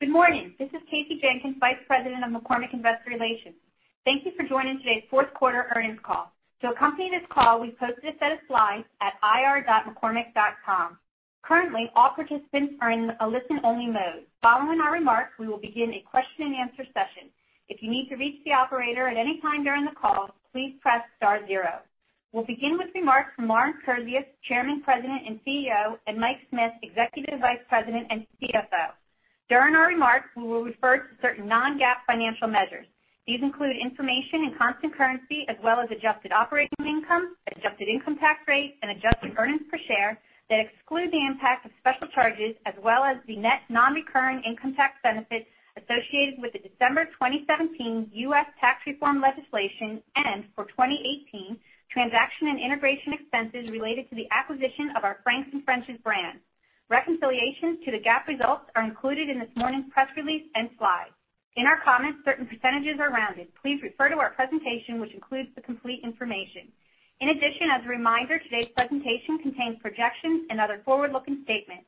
Good morning. This is Kasey Jenkins, Vice President of McCormick & Company Investor Relations. Thank you for joining today's Q4 earnings call. To accompany this call, we've posted a set of slides at ir.mccormick.com. Currently, all participants are in a listen only mode. Following our remarks, we will begin a question and answer session. If you need to reach the operator at any time during the call, please press star zero. We'll begin with remarks from Lawrence Kurzius, Chairman, President, and CEO, and Michael Smith, Executive Vice President and CFO. During our remarks, we will refer to certain non-GAAP financial measures. These include information and constant currency as well as adjusted operating income, adjusted income tax rate, and adjusted earnings per share that exclude the impact of special charges as well as the net non-recurring income tax benefits associated with the December 2017 U.S. tax reform legislation and for 2018, transaction and integration expenses related to the acquisition of our Frank's and French's brand. Reconciliations to the GAAP results are included in this morning's press release and slides. In our comments, certain percentages are rounded. Please refer to our presentation, which includes the complete information. As a reminder, today's presentation contains projections and other forward-looking statements.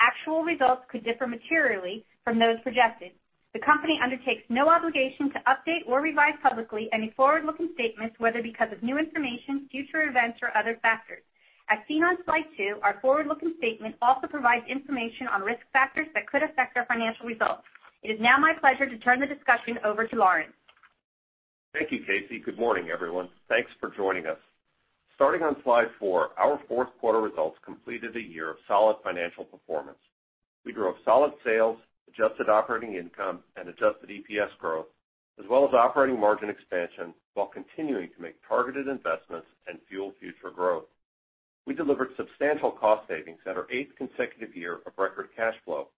Actual results could differ materially from those projected. The company undertakes no obligation to update or revise publicly any forward-looking statements, whether because of new information, future events, or other factors. As seen on slide 2, our forward-looking statement also provides information on risk factors that could affect our financial results. It is now my pleasure to turn the discussion over to Lawrence. Thank you, Kasey. Good morning, everyone. Thanks for joining us. Starting on slide 4, our Q4 results completed a year of solid financial performance. We drove solid sales, adjusted operating income, and adjusted EPS growth, as well as operating margin expansion while continuing to make targeted investments and fuel future growth. We delivered substantial cost savings at our eighth consecutive year of record cash flow.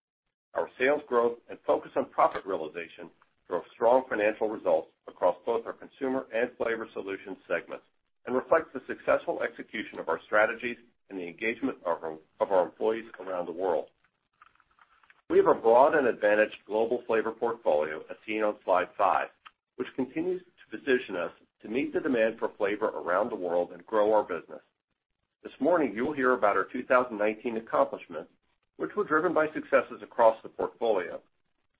Our sales growth and focus on profit realization drove strong financial results across both our consumer and Flavor Solutions segments and reflects the successful execution of our strategies and the engagement of our employees around the world. We have a broad and advantaged global flavor portfolio as seen on slide 5, which continues to position us to meet the demand for flavor around the world and grow our business. This morning, you will hear about our 2019 accomplishments, which were driven by successes across the portfolio.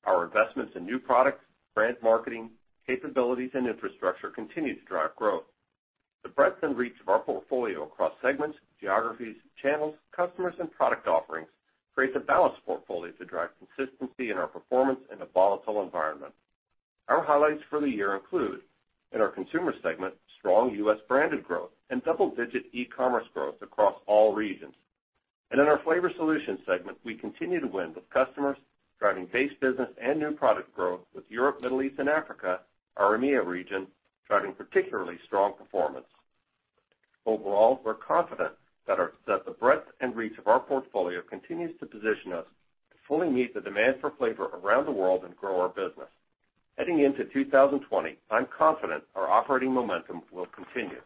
Our investments in new products, brand marketing, capabilities, and infrastructure continue to drive growth. The breadth and reach of our portfolio across segments, geographies, channels, customers, and product offerings creates a balanced portfolio to drive consistency in our performance in a volatile environment. Our highlights for the year include, in our Consumer segment, strong U.S. branded growth and double-digit e-commerce growth across all regions. In our Flavor Solutions segment, we continue to win with customers, driving base business and new product growth with Europe, Middle East, and Africa, our EMEA region, driving particularly strong performance. Overall, we're confident that the breadth and reach of our portfolio continues to position us to fully meet the demand for flavor around the world and grow our business. Heading into 2020, I'm confident our operating momentum will continue.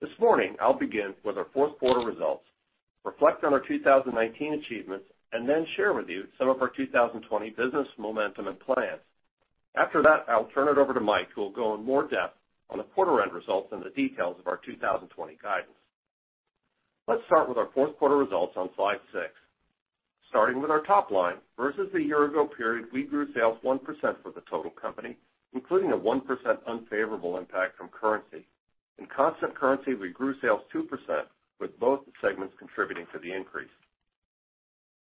This morning, I'll begin with our Q4 results, reflect on our 2019 achievements, and then share with you some of our 2020 business momentum and plans. After that, I'll turn it over to Michael Smith, who will go in more depth on the quarter end results and the details of our 2020 guidance. Let's start with our Q4 results on slide 6. Starting with our top-line, versus the year ago period, we grew sales 1% for the total company, including a 1% unfavorable impact from currency. In constant currency, we grew sales 2% with both the segments contributing to the increase.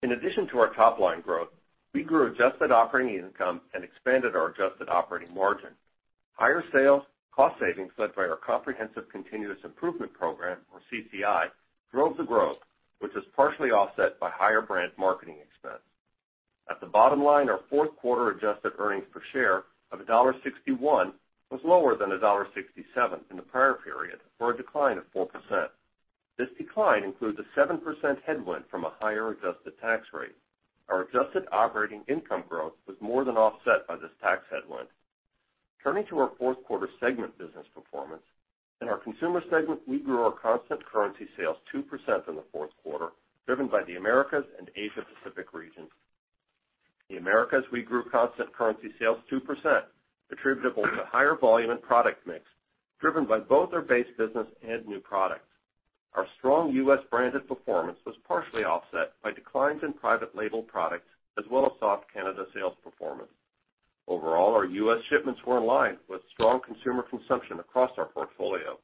In addition to our top-line growth, we grew adjusted operating income and expanded our adjusted operating margin. Higher sales, cost savings led by our comprehensive Continuous Improvement Program, or CCI, drove the growth, which was partially offset by higher brand marketing expense. At the bottom line, our Q4 adjusted earnings per share of $1.61 was lower than $1.67 in the prior period, for a decline of 4%. This decline includes a 7% headwind from a higher adjusted tax rate. Our adjusted operating income growth was more than offset by this tax headwind. Turning to our Q4 segment business performance, in our consumer segment, we grew our constant currency sales 2% in the Q4, driven by the Americas and Asia Pacific region. In the Americas, we grew constant currency sales 2%, attributable to higher volume and product mix, driven by both our base business and new products. Our strong U.S. branded performance was partially offset by declines in private label products as well as soft Canada sales performance. Our U.S. shipments were in line with strong consumer consumption across our portfolio.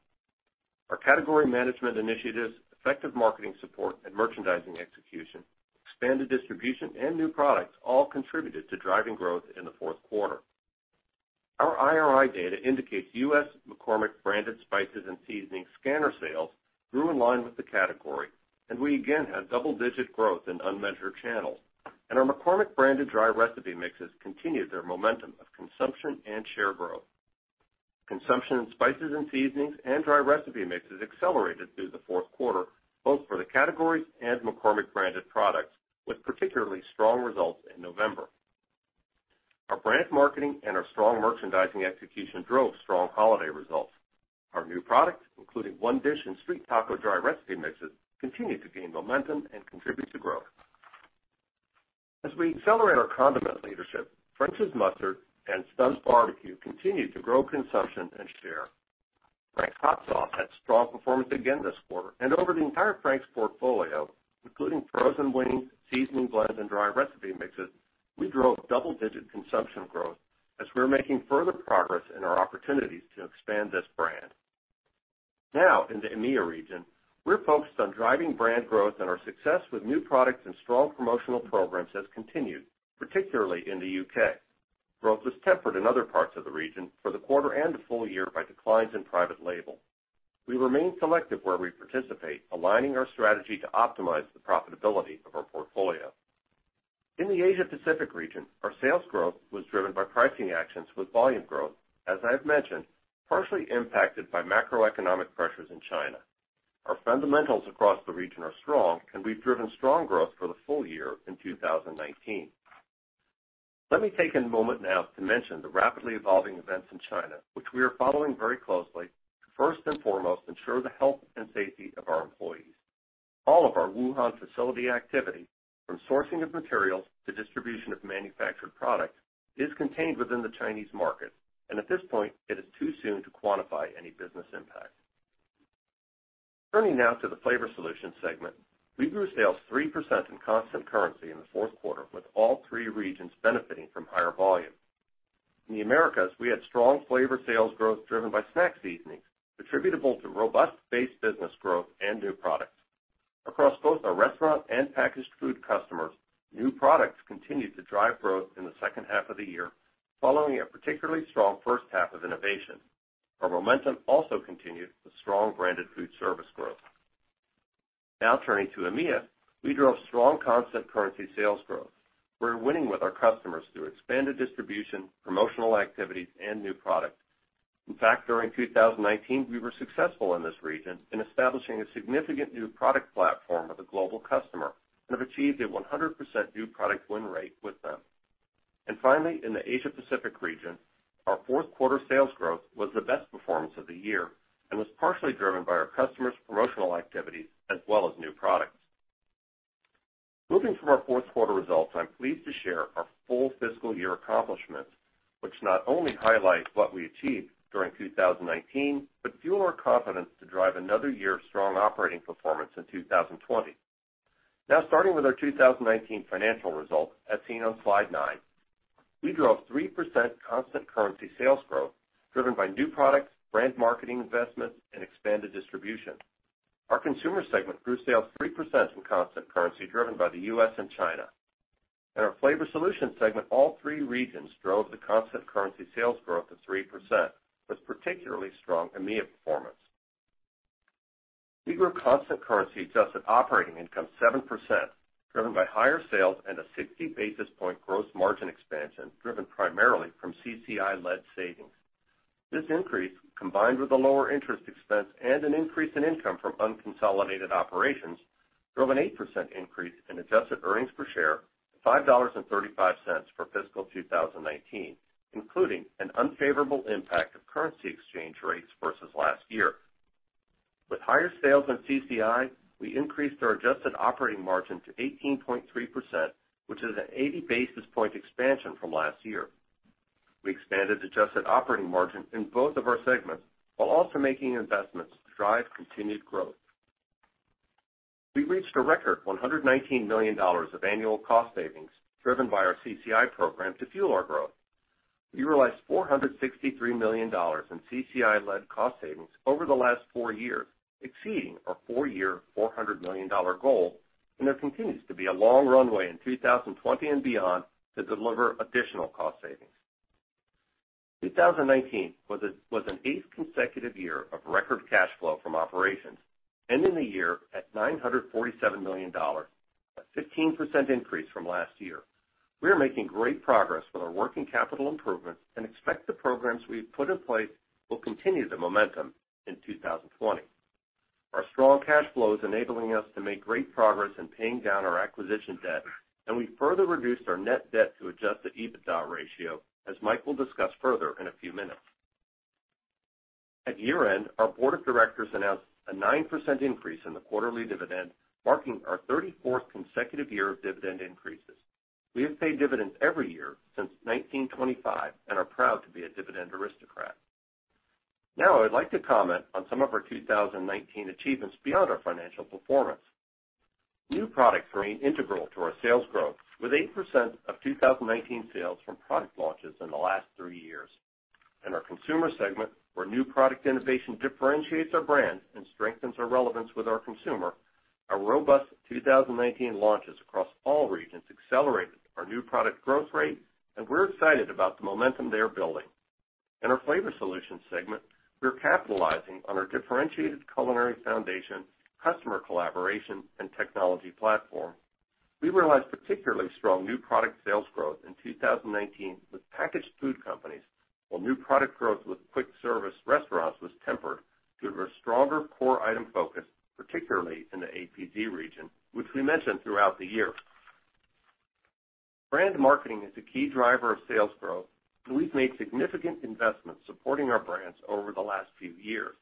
Our category management initiatives, effective marketing support, and merchandising execution, expanded distribution, and new products all contributed to driving growth in the Q4. Our IRI data indicates U.S. McCormick branded spices and seasoning scanner sales grew in line with the category, and we again had double-digit growth in unmeasured channels. Our McCormick branded dry recipe mixes continued their momentum of consumption and share growth. Consumption in spices and seasonings and dry recipe mixes accelerated through the Q4, both for the categories and McCormick branded products, with particularly strong results in November. Our brand marketing and our strong merchandising execution drove strong holiday results. Our new products, including McCormick ONE and McCormick Street Taco dry recipe mixes, continued to gain momentum and contribute to growth. As we accelerate our condiment leadership, French's Mustard and Stubb's Bar-B-Q continued to grow consumption and share. Frank's RedHot sauce had strong performance again this quarter, and over the entire Frank's portfolio, including frozen wings, seasoning blends, and dry recipe mixes, we drove double-digit consumption growth as we're making further progress in our opportunities to expand this brand. In the EMEA region, we're focused on driving brand growth, and our success with new products and strong promotional programs has continued, particularly in the U.K. Growth was tempered in other parts of the region for the quarter and the full year by declines in private label. We remain selective where we participate, aligning our strategy to optimize the profitability of our portfolio. In the Asia Pacific region, our sales growth was driven by pricing actions with volume growth, as I've mentioned, partially impacted by macroeconomic pressures in China. Our fundamentals across the region are strong, we've driven strong growth for the full year in 2019. Let me take a moment now to mention the rapidly evolving events in China, which we are following very closely to first and foremost ensure the health and safety of our employees. All of our Wuhan facility activity, from sourcing of materials to distribution of manufactured product, is contained within the Chinese market. At this point, it is too soon to quantify any business impact. Turning now to the Flavor Solutions Segment, we grew sales 3% in constant currency in the Q4 with all three regions benefiting from higher volume. In the Americas, we had strong flavor sales growth driven by snack seasonings attributable to robust base business growth and new products. Across both our restaurant and packaged food customers, new products continued to drive growth in the H2 of the year, following a particularly strong H1 of innovation. Our momentum also continued with strong branded food service growth. Turning to EMEA, we drove strong constant currency sales growth. We're winning with our customers through expanded distribution, promotional activities, and new products. During 2019, we were successful in this region in establishing a significant new product platform with a global customer and have achieved a 100% new product win rate with them. Finally, in the Asia Pacific region, our Q4 sales growth was the best performance of the year and was partially driven by our customers' promotional activities as well as new products. Starting with our 2019 financial results, as seen on slide 9, we drove 3% constant currency sales growth driven by new products, brand marketing investments, and expanded distribution. Our Consumer segment grew sales 3% in constant currency driven by the U.S. and China. In our Flavor Solutions segment, all three regions drove the constant currency sales growth of 3% with particularly strong EMEA performance. We grew constant currency adjusted operating income 7%, driven by higher sales and a 60-basis-point gross margin expansion driven primarily from CCI-led savings. This increase, combined with a lower interest expense and an increase in income from unconsolidated operations, drove an 8% increase in adjusted earnings per share to $5.35 for fiscal 2019, including an unfavorable impact of currency exchange rates versus last year. With higher sales and CCI, we increased our adjusted operating margin to 18.3%, which is an 80-basis-point expansion from last year. We expanded adjusted operating margin in both of our segments while also making investments to drive continued growth. We reached a record $119 million of annual cost savings driven by our CCI program to fuel our growth. We realized $463 million in CCI-led cost savings over the last four years, exceeding our four-year, $400 million goal, and there continues to be a long runway in 2020 and beyond to deliver additional cost savings. 2019 was an eighth consecutive year of record cash flow from operations, ending the year at $947 million, a 15% increase from last year. We are making great progress with our working capital improvements and expect the programs we've put in place will continue the momentum in 2020. Our strong cash flow is enabling us to make great progress in paying down our acquisition debt, and we further reduced our net debt to adjusted EBITDA ratio, as Michael will discuss further in a few minutes. At year-end, our board of directors announced a 9% increase in the quarterly dividend, marking our 34th consecutive year of dividend increases. We have paid dividends every year since 1925 and are proud to be a Dividend Aristocrat. Now I would like to comment on some of our 2019 achievements beyond our financial performance. New products remain integral to our sales growth, with 8% of 2019 sales from product launches in the last three years. In our Consumer segment, where new product innovation differentiates our brand and strengthens our relevance with our consumer, our robust 2019 launches across all regions accelerated our new product growth rate, and we're excited about the momentum they are building. In our Flavor Solutions segment, we are capitalizing on our differentiated culinary foundation, customer collaboration, and technology platform. We realized particularly strong new product sales growth in 2019 with packaged food companies. While new product growth with quick service restaurants was tempered due to a stronger core item focus, particularly in the APZ region, which we mentioned throughout the year. Brand marketing is a key driver of sales growth, and we've made significant investments supporting our brands over the last few years.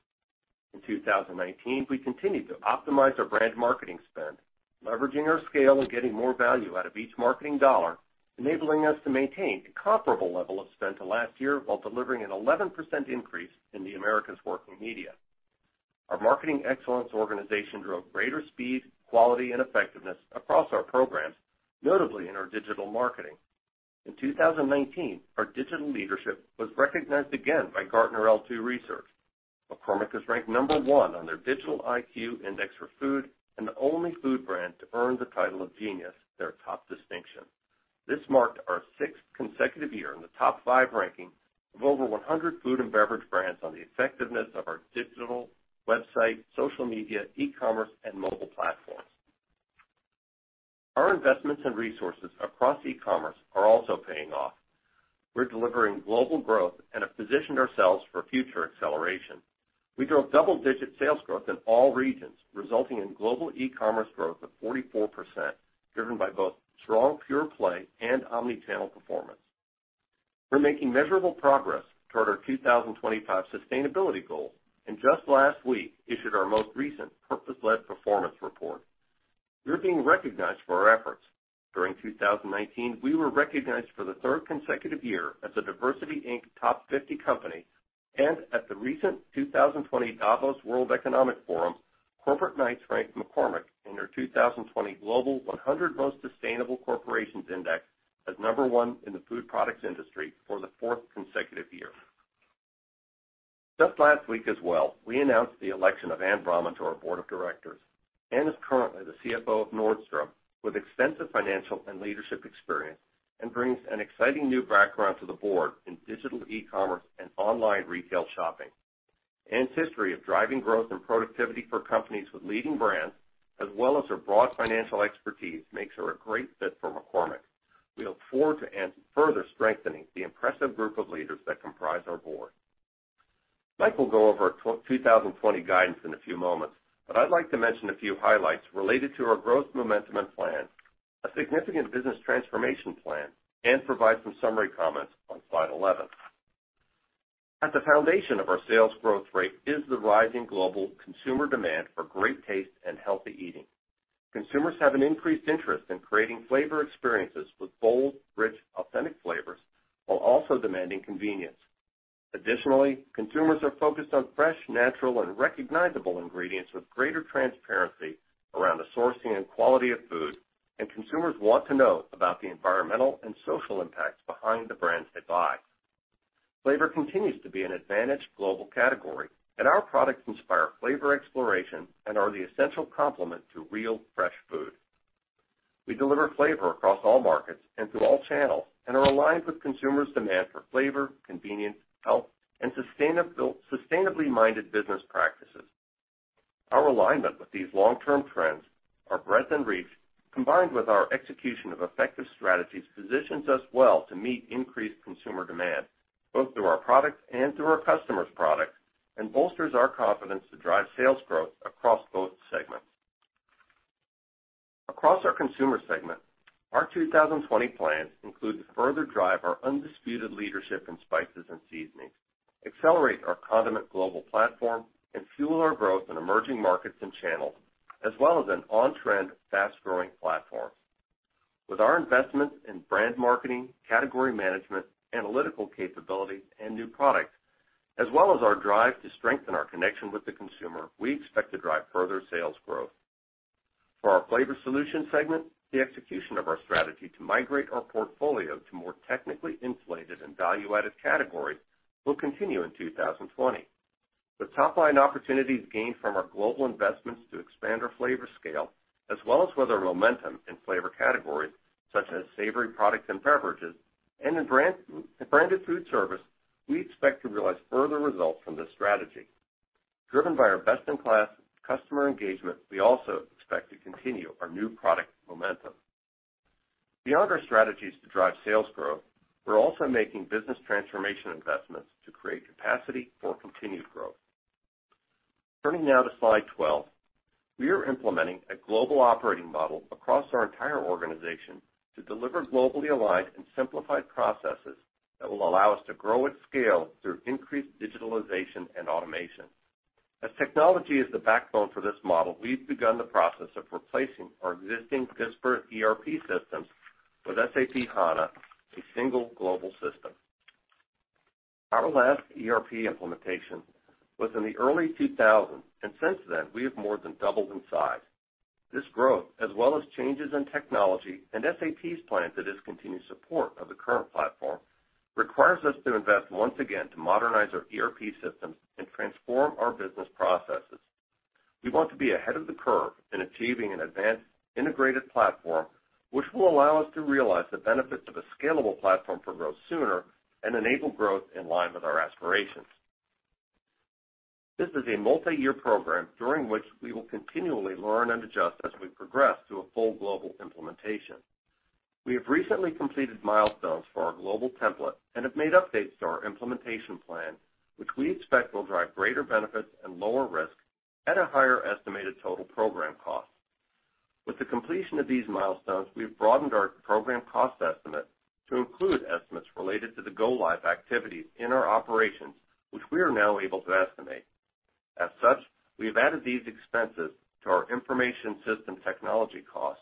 In 2019, we continued to optimize our brand marketing spend, leveraging our scale and getting more value out of each marketing dollar, enabling us to maintain a comparable level of spend to last year while delivering an 11% increase in the Americas working media. Our marketing excellence organization drove greater speed, quality, and effectiveness across our programs, notably in our digital marketing. In 2019, our digital leadership was recognized again by Gartner L2 research. McCormick was ranked number one on their Digital IQ Index for food, and the only food brand to earn the title of Genius, their top distinction. This marked our sixth consecutive year in the top five ranking of over 100 food and beverage brands on the effectiveness of our digital website, social media, e-commerce, and mobile platforms. Our investments and resources across e-commerce are also paying off. We're delivering global growth and have positioned ourselves for future acceleration. We drove double-digit sales growth in all regions, resulting in global e-commerce growth of 44%, driven by both strong pure-play and omni-channel performance. We're making measurable progress toward our 2025 sustainability goals, and just last week, issued our most recent Purpose-Led Performance Report. We're being recognized for our efforts. During 2019, we were recognized for the third consecutive year as a DiversityInc Top 50 company, and at the recent 2020 Davos World Economic Forum, Corporate Knights ranked McCormick in their 2020 global 100 Most Sustainable Corporations Index as number one in the food products industry for the fourth consecutive year. Just last week as well, we announced the election of Anne Bramman to our board of directors. Anne is currently the CFO of Nordstrom, with extensive financial and leadership experience, and brings an exciting new background to the board in digital e-commerce and online retail shopping. Anne's history of driving growth and productivity for companies with leading brands, as well as her broad financial expertise, makes her a great fit for McCormick. We look forward to Anne further strengthening the impressive group of leaders that comprise our board. Michael Smith will go over 2020 guidance in a few moments, but I'd like to mention a few highlights related to our growth momentum and plan, a significant business transformation plan, and provide some summary comments on slide 11. At the foundation of our sales growth rate is the rising global consumer demand for great taste and healthy eating. Consumers have an increased interest in creating flavor experiences with bold, rich, authentic flavors, while also demanding convenience. Additionally, consumers are focused on fresh, natural, and recognizable ingredients with greater transparency around the sourcing and quality of food, and consumers want to know about the environmental and social impacts behind the brands they buy. Flavor continues to be an advantaged global category, and our products inspire flavor exploration and are the essential complement to real, fresh food. We deliver flavor across all markets and through all channels, and are aligned with consumers' demand for flavor, convenience, health, and sustainably minded business practices. Our alignment with these long-term trends, our breadth and reach, combined with our execution of effective strategies, positions us well to meet increased consumer demand, both through our products and through our customers' products, and bolsters our confidence to drive sales growth across both segments. Across our consumer segment, our 2020 plans include to further drive our undisputed leadership in spices and seasonings, accelerate our condiment global platform, and fuel our growth in emerging markets and channels, as well as an on-trend, fast-growing platform. With our investment in brand marketing, category management, analytical capability, and new product, as well as our drive to strengthen our connection with the consumer, we expect to drive further sales growth. For our flavor solution segment, the execution of our strategy to migrate our portfolio to more technically insulated and value-added categories will continue in 2020. With top-line opportunities gained from our global investments to expand our flavor scale, as well as with our momentum in flavor categories such as savory products and beverages, and in branded food service, we expect to realize further results from this strategy. Driven by our best-in-class customer engagement, we also expect to continue our new product momentum. Beyond our strategies to drive sales growth, we're also making business transformation investments to create capacity for continued growth. Turning now to slide 12. We are implementing a global operating model across our entire organization to deliver globally aligned and simplified processes that will allow us to grow at scale through increased digitalization and automation. As technology is the backbone for this model, we've begun the process of replacing our existing disparate ERP systems with SAP HANA, a single global system. Our last ERP implementation was in the early 2000s, and since then, we have more than doubled in size. This growth, as well as changes in technology and SAP's plan to discontinue support of the current platform, requires us to invest once again to modernize our ERP systems and transform our business processes. We want to be ahead of the curve in achieving an advanced integrated platform, which will allow us to realize the benefits of a scalable platform for growth sooner and enable growth in line with our aspirations. This is a multi-year program during which we will continually learn and adjust as we progress to a full global implementation. We have recently completed milestones for our global template and have made updates to our implementation plan, which we expect will drive greater benefits and lower risk at a higher estimated total program cost. With the completion of these milestones, we've broadened our program cost estimate to include estimates related to the go-live activities in our operations, which we are now able to estimate. As such, we have added these expenses to our information system technology cost,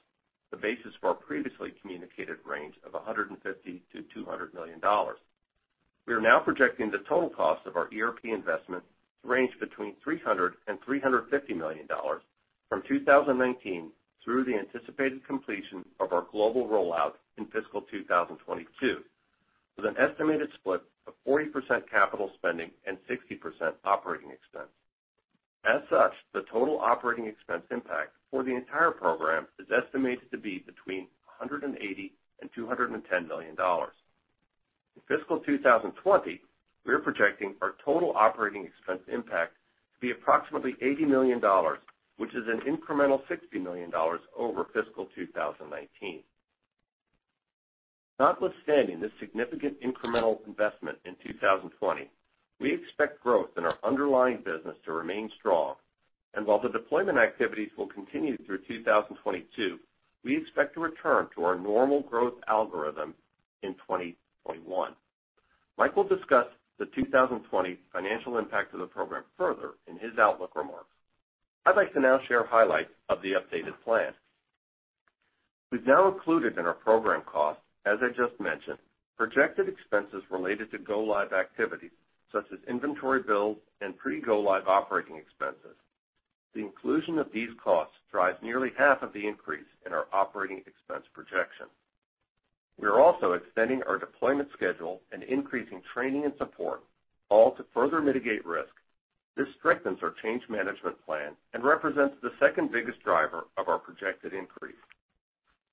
the basis for our previously communicated range of $150 million-$200 million. We are now projecting the total cost of our ERP investment to range between $300 million-$350 million from 2019 through the anticipated completion of our global rollout in fiscal 2022, with an estimated split of 40% capital spending and 60% operating expense. As such, the total operating expense impact for the entire program is estimated to be between $180 million and $210 million. In fiscal 2020, we are projecting our total operating expense impact to be approximately $80 million, which is an incremental $60 million over fiscal 2019. Notwithstanding this significant incremental investment in 2020, we expect growth in our underlying business to remain strong. While the deployment activities will continue through 2022, we expect to return to our normal growth algorithm in 2021. Michael Smith will discuss the 2020 financial impact of the program further in his outlook remarks. I'd like to now share highlights of the updated plan. We've now included in our program costs, as I just mentioned, projected expenses related to go-live activities such as inventory build and pre-go-live operating expenses. The inclusion of these costs drives nearly half of the increase in our operating expense projection. We are also extending our deployment schedule and increasing training and support, all to further mitigate risk. This strengthens our change management plan and represents the second biggest driver of our projected increase.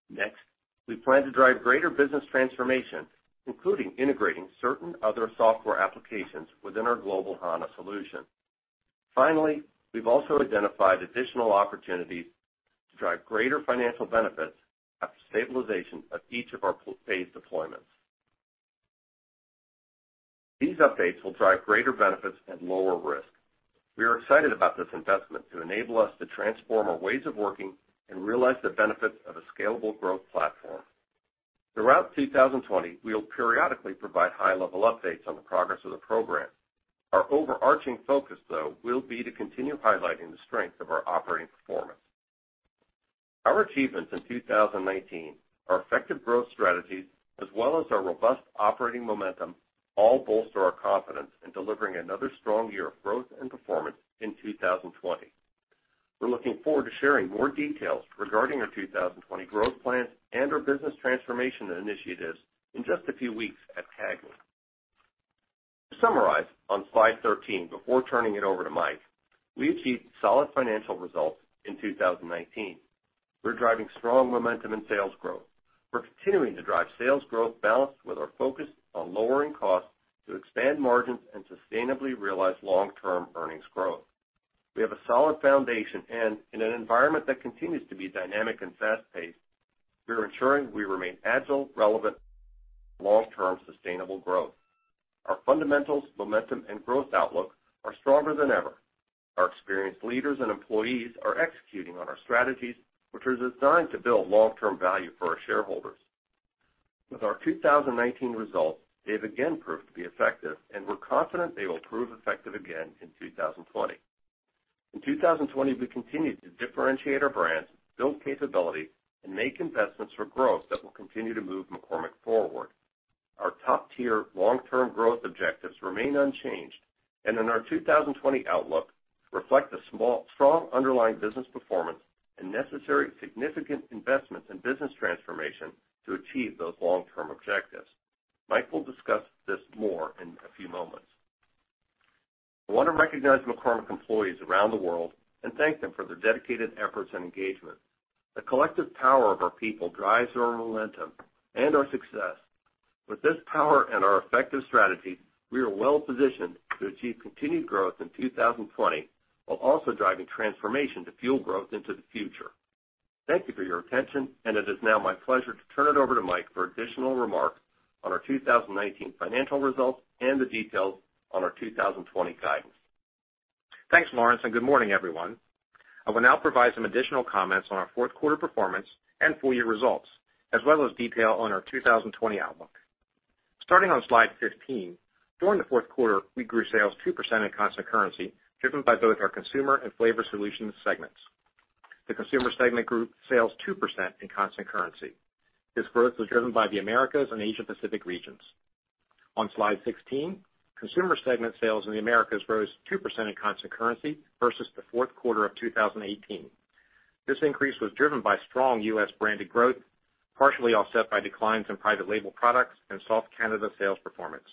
Next, we plan to drive greater business transformation, including integrating certain other software applications within our global HANA solution. Finally, we've also identified additional opportunities to drive greater financial benefits after stabilization of each of our phased deployments. These updates will drive greater benefits and lower risk. We are excited about this investment to enable us to transform our ways of working and realize the benefits of a scalable growth platform. Throughout 2020, we'll periodically provide high-level updates on the progress of the program. Our overarching focus, though, will be to continue highlighting the strength of our operating performance. Our achievements in 2019, our effective growth strategies, as well as our robust operating momentum, all bolster our confidence in delivering another strong year of growth and performance in 2020. We're looking forward to sharing more details regarding our 2020 growth plans and our business transformation initiatives in just a few weeks at CAGNY. To summarize, on slide 13, before turning it over to Michael Smith, we achieved solid financial results in 2019. We're driving strong momentum and sales growth. We're continuing to drive sales growth balanced with our focus on lowering costs to expand margins and sustainably realize long-term earnings growth. We have a solid foundation, and in an environment that continues to be dynamic and fast-paced, we are ensuring we remain agile, relevant, long-term sustainable growth. Our fundamentals, momentum, and growth outlook are stronger than ever. Our experienced leaders and employees are executing on our strategies, which are designed to build long-term value for our shareholders. With our 2019 results, they've again proved to be effective, and we're confident they will prove effective again in 2020. In 2020, we continue to differentiate our brands, build capability, and make investments for growth that will continue to move McCormick forward. Our top-tier long-term growth objectives remain unchanged, and in our 2020 outlook, reflect the strong underlying business performance and necessary significant investments in business transformation to achieve those long-term objectives. Michael will discuss this more in a few moments. I want to recognize McCormick employees around the world and thank them for their dedicated efforts and engagement. The collective power of our people drives our momentum and our success. With this power and our effective strategy, we are well positioned to achieve continued growth in 2020 while also driving transformation to fuel growth into the future. Thank you for your attention, and it is now my pleasure to turn it over to Michael Smith for additional remarks on our 2019 financial results and the details on our 2020 guidance. Thanks, Lawrence, and good morning, everyone. I will now provide some additional comments on our Q4 performance and full year results, as well as detail on our 2020 outlook. Starting on slide 15, during the Q4, we grew sales 2% in constant currency, driven by both our Consumer and Flavor Solutions segments. The Consumer segment grew sales 2% in constant currency. This growth was driven by the Americas and Asia Pacific regions. On slide 16, Consumer segment sales in the Americas rose 2% in constant currency versus Q4 of 2018. This increase was driven by strong U.S. branded growth, partially offset by declines in private label products and soft Canada sales performance.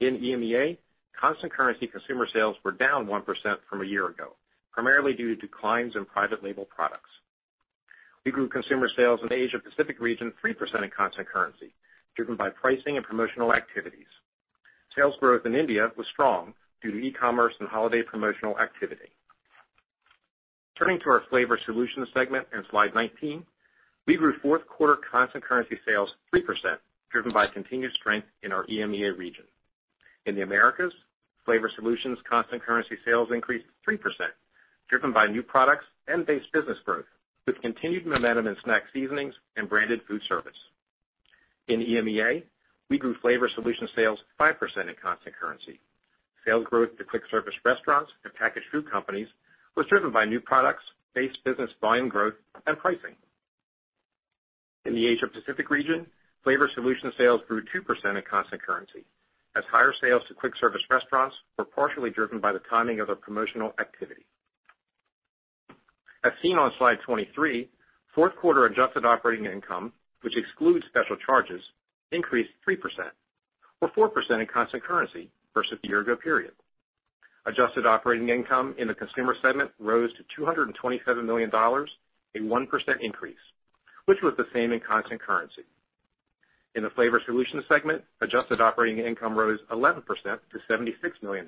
In EMEA, constant currency consumer sales were down 1% from a year ago, primarily due to declines in private label products. We grew consumer sales in the Asia Pacific region 3% in constant currency, driven by pricing and promotional activities. Sales growth in India was strong due to e-commerce and holiday promotional activity. Turning to our Flavor Solutions segment on slide 19, we grew Q4 constant currency sales 3%, driven by continued strength in our EMEA region. In the Americas, Flavor Solutions constant currency sales increased 3%, driven by new products and base business growth, with continued momentum in snack seasonings and branded food service. In EMEA, we grew Flavor Solutions sales 5% in constant currency. Sales growth to quick service restaurants and packaged food companies was driven by new products, base business volume growth, and pricing. In the Asia Pacific region, Flavor Solutions sales grew 2% in constant currency, as higher sales to quick service restaurants were partially driven by the timing of a promotional activity. As seen on slide 23, Q4 adjusted operating income, which excludes special charges, increased 3%, or 4% in constant currency versus the year ago period. Adjusted operating income in the consumer segment rose to $227 million, a 1% increase, which was the same in constant currency. In the flavor solutions segment, adjusted operating income rose 11% to $76 million,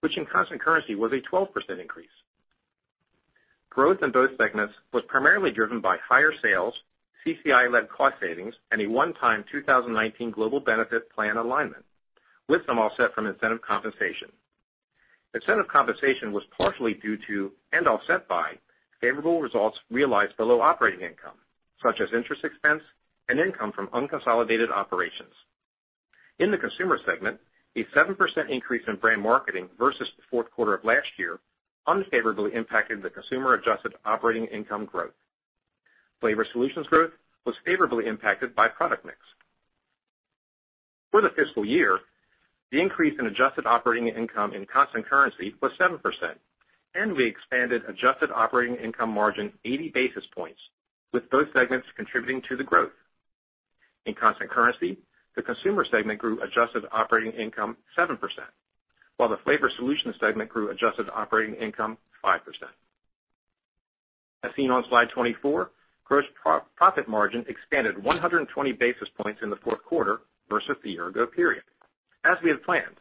which in constant currency was a 12% increase. Growth in both segments was primarily driven by higher sales, CCI-led cost savings, and a one-time 2019 global benefit plan alignment, with some offset from incentive compensation. Incentive compensation was partially due to, and offset by, favorable results realized below operating income, such as interest expense and income from unconsolidated operations. In the consumer segment, a 7% increase in brand marketing versus the Q4 of last year unfavorably impacted the consumer adjusted operating income growth. Flavor solutions growth was favorably impacted by product mix. For the fiscal year, the increase in adjusted operating income in constant currency was 7%, and we expanded adjusted operating income margin 80 basis points, with both segments contributing to the growth. In constant currency, the consumer segment grew adjusted operating income 7%, while the flavor solutions segment grew adjusted operating income 5%. As seen on slide 24, gross profit margin expanded 120 basis points in the Q4 versus the year ago period, as we had planned,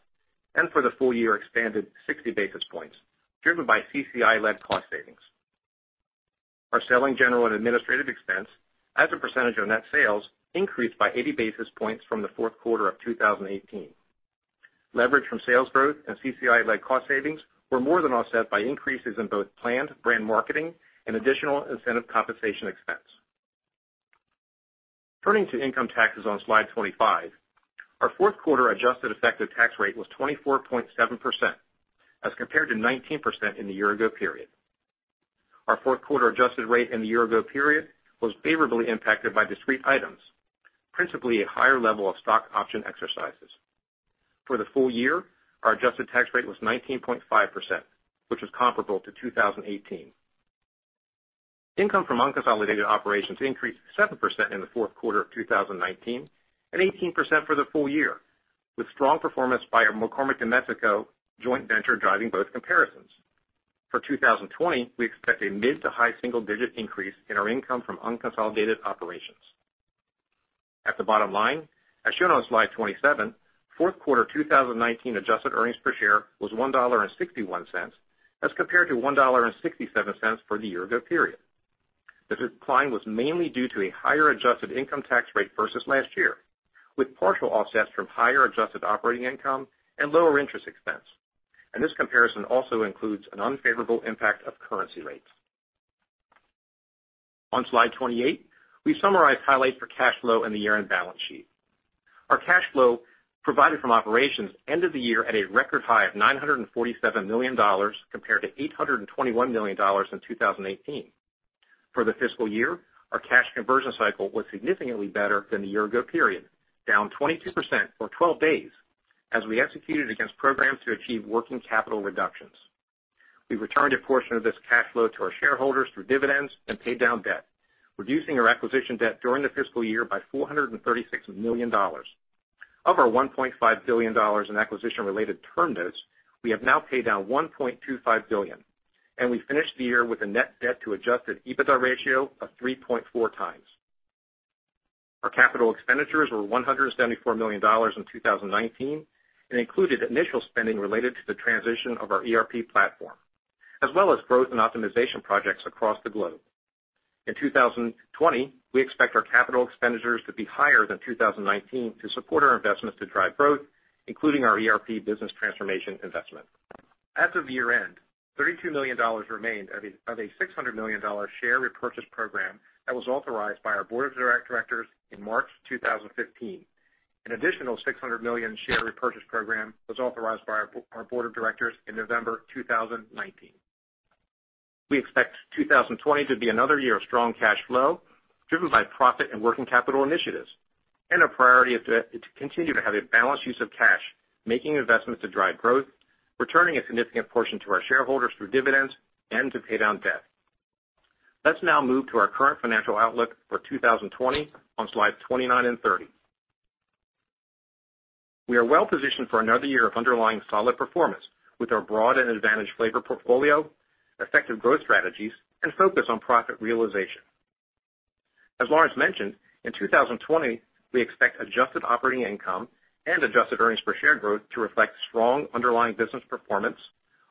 and for the full year expanded 60 basis points, driven by CCI-led cost savings. Our selling general and administrative expense as a percentage of net sales increased by 80 basis points from the Q4 of 2018. Leverage from sales growth and CCI-led cost savings were more than offset by increases in both planned brand marketing and additional incentive compensation expense. Turning to income taxes on slide 25, our Q4 adjusted effective tax rate was 24.7%, as compared to 19% in the year ago period. Our Q4 adjusted rate in the year ago period was favorably impacted by discrete items, principally a higher level of stock option exercises. For the full year, our adjusted tax rate was 19.5%, which was comparable to 2018. Income from unconsolidated operations increased 7% in Q4 of 2019 and 18% for the full year, with strong performance by our McCormick de Mexico joint venture driving both comparisons. For 2020, we expect a mid to high single digit increase in our income from unconsolidated operations. At the bottom line, as shown on slide 27, Q4 2019 adjusted earnings per share was $1.61 as compared to $1.67 for the year ago period. The decline was mainly due to a higher adjusted income tax rate versus last year, with partial offsets from higher adjusted operating income and lower interest expense. This comparison also includes an unfavorable impact of currency rates. On slide 28, we summarize highlights for cash flow and the year-end balance sheet. Our cash flow provided from operations ended the year at a record high of $947 million, compared to $821 million in 2018. For the fiscal year, our cash conversion cycle was significantly better than the year ago period, down 22% or 12 days, as we executed against programs to achieve working capital reductions. We returned a portion of this cash flow to our shareholders through dividends and paid down debt, reducing our acquisition debt during the fiscal year by $436 million. Of our $1.5 billion in acquisition-related term debts, we have now paid down $1.25 billion, and we finished the year with a net debt to adjusted EBITDA ratio of 3.4x. Our capital expenditures were $174 million in 2019 and included initial spending related to the transition of our ERP platform, as well as growth and optimization projects across the globe. In 2020, we expect our capital expenditures to be higher than 2019 to support our investments to drive growth, including our ERP business transformation investment. As of year-end, $32 million remained of a $600 million share repurchase program that was authorized by our board of directors in March 2015. An additional $600 million share repurchase program was authorized by our board of directors in November 2019. We expect 2020 to be another year of strong cash flow, driven by profit and working capital initiatives, and a priority to continue to have a balanced use of cash, making investments to drive growth, returning a significant portion to our shareholders through dividends, and to pay down debt. Let's now move to our current financial outlook for 2020 on slide 29 and 30. We are well positioned for another year of underlying solid performance with our broad and advantaged flavor portfolio, effective growth strategies, and focus on profit realization. As Lawrence mentioned, in 2020, we expect adjusted operating income and adjusted earnings per share growth to reflect strong underlying business performance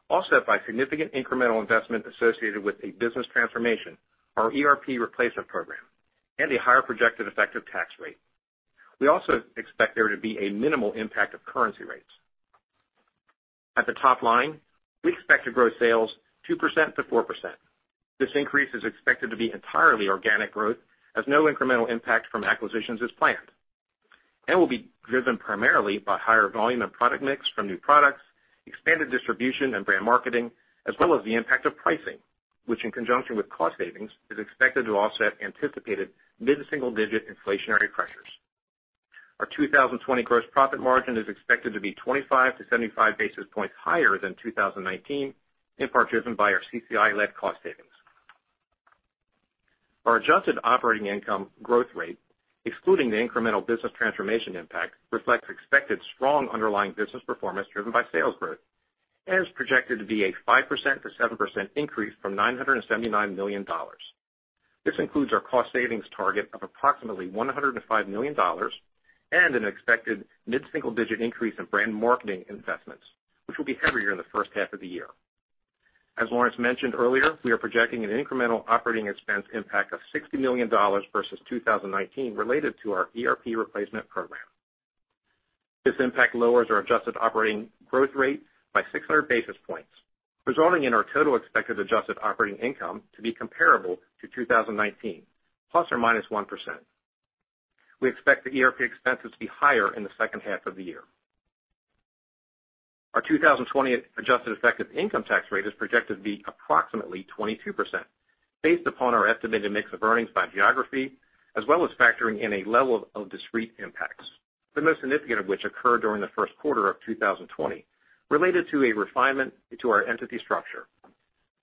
offset by significant incremental investment associated with a business transformation, our ERP replacement program, and a higher projected effective tax rate. We also expect there to be a minimal impact of currency rates. At the top line, we expect to grow sales 2%-4%. This increase is expected to be entirely organic growth as no incremental impact from acquisitions is planned and will be driven primarily by higher volume and product mix from new products, expanded distribution, and brand marketing, as well as the impact of pricing, which, in conjunction with cost savings, is expected to offset anticipated mid to single-digit inflationary pressures. Our 2020 gross profit margin is expected to be 25-75 basis points higher than 2019, in part driven by our CCI-led cost savings. Our adjusted operating income growth rate, excluding the incremental business transformation impact, reflects expected strong underlying business performance driven by sales growth and is projected to be a 5%-7% increase from $979 million. This includes our cost savings target of approximately $105 million and an expected mid-single-digit increase in brand marketing investments, which will be heavier in the H1 of the year. As Lawrence mentioned earlier, we are projecting an incremental operating expense impact of $60 million versus 2019 related to our ERP replacement program. This impact lowers our adjusted operating growth rate by 600 basis points, resulting in our total expected adjusted operating income to be comparable to 2019, ±1%. We expect the ERP expenses to be higher in the H2 of the year. Our 2020 adjusted effective income tax rate is projected to be approximately 22%, based upon our estimated mix of earnings by geography, as well as factoring in a level of discrete impacts, the most significant of which occur during the Q1 of 2020, related to a refinement to our entity structure.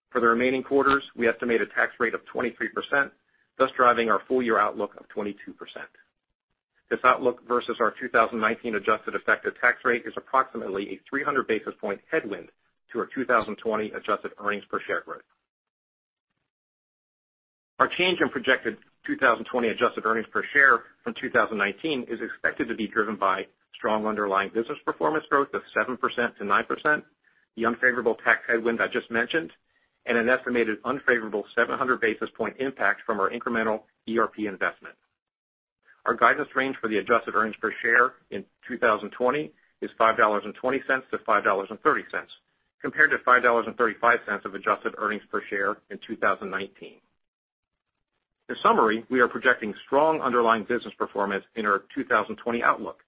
For the remaining quarters, we estimate a tax rate of 23%, thus driving our full-year outlook of 22%. This outlook versus our 2019 adjusted effective tax rate is approximately a 300 basis point headwind to our 2020 adjusted earnings per share growth. Our change in projected 2020 adjusted earnings per share from 2019 is expected to be driven by strong underlying business performance growth of 7%-9%, the unfavorable tax headwind I just mentioned, and an estimated unfavorable 700 basis point impact from our incremental ERP investment. Our guidance range for the adjusted earnings per share in 2020 is $5.20-$5.30, compared to $5.35 of adjusted earnings per share in 2019. In summary, we are projecting strong underlying business performance in our 2020 outlook,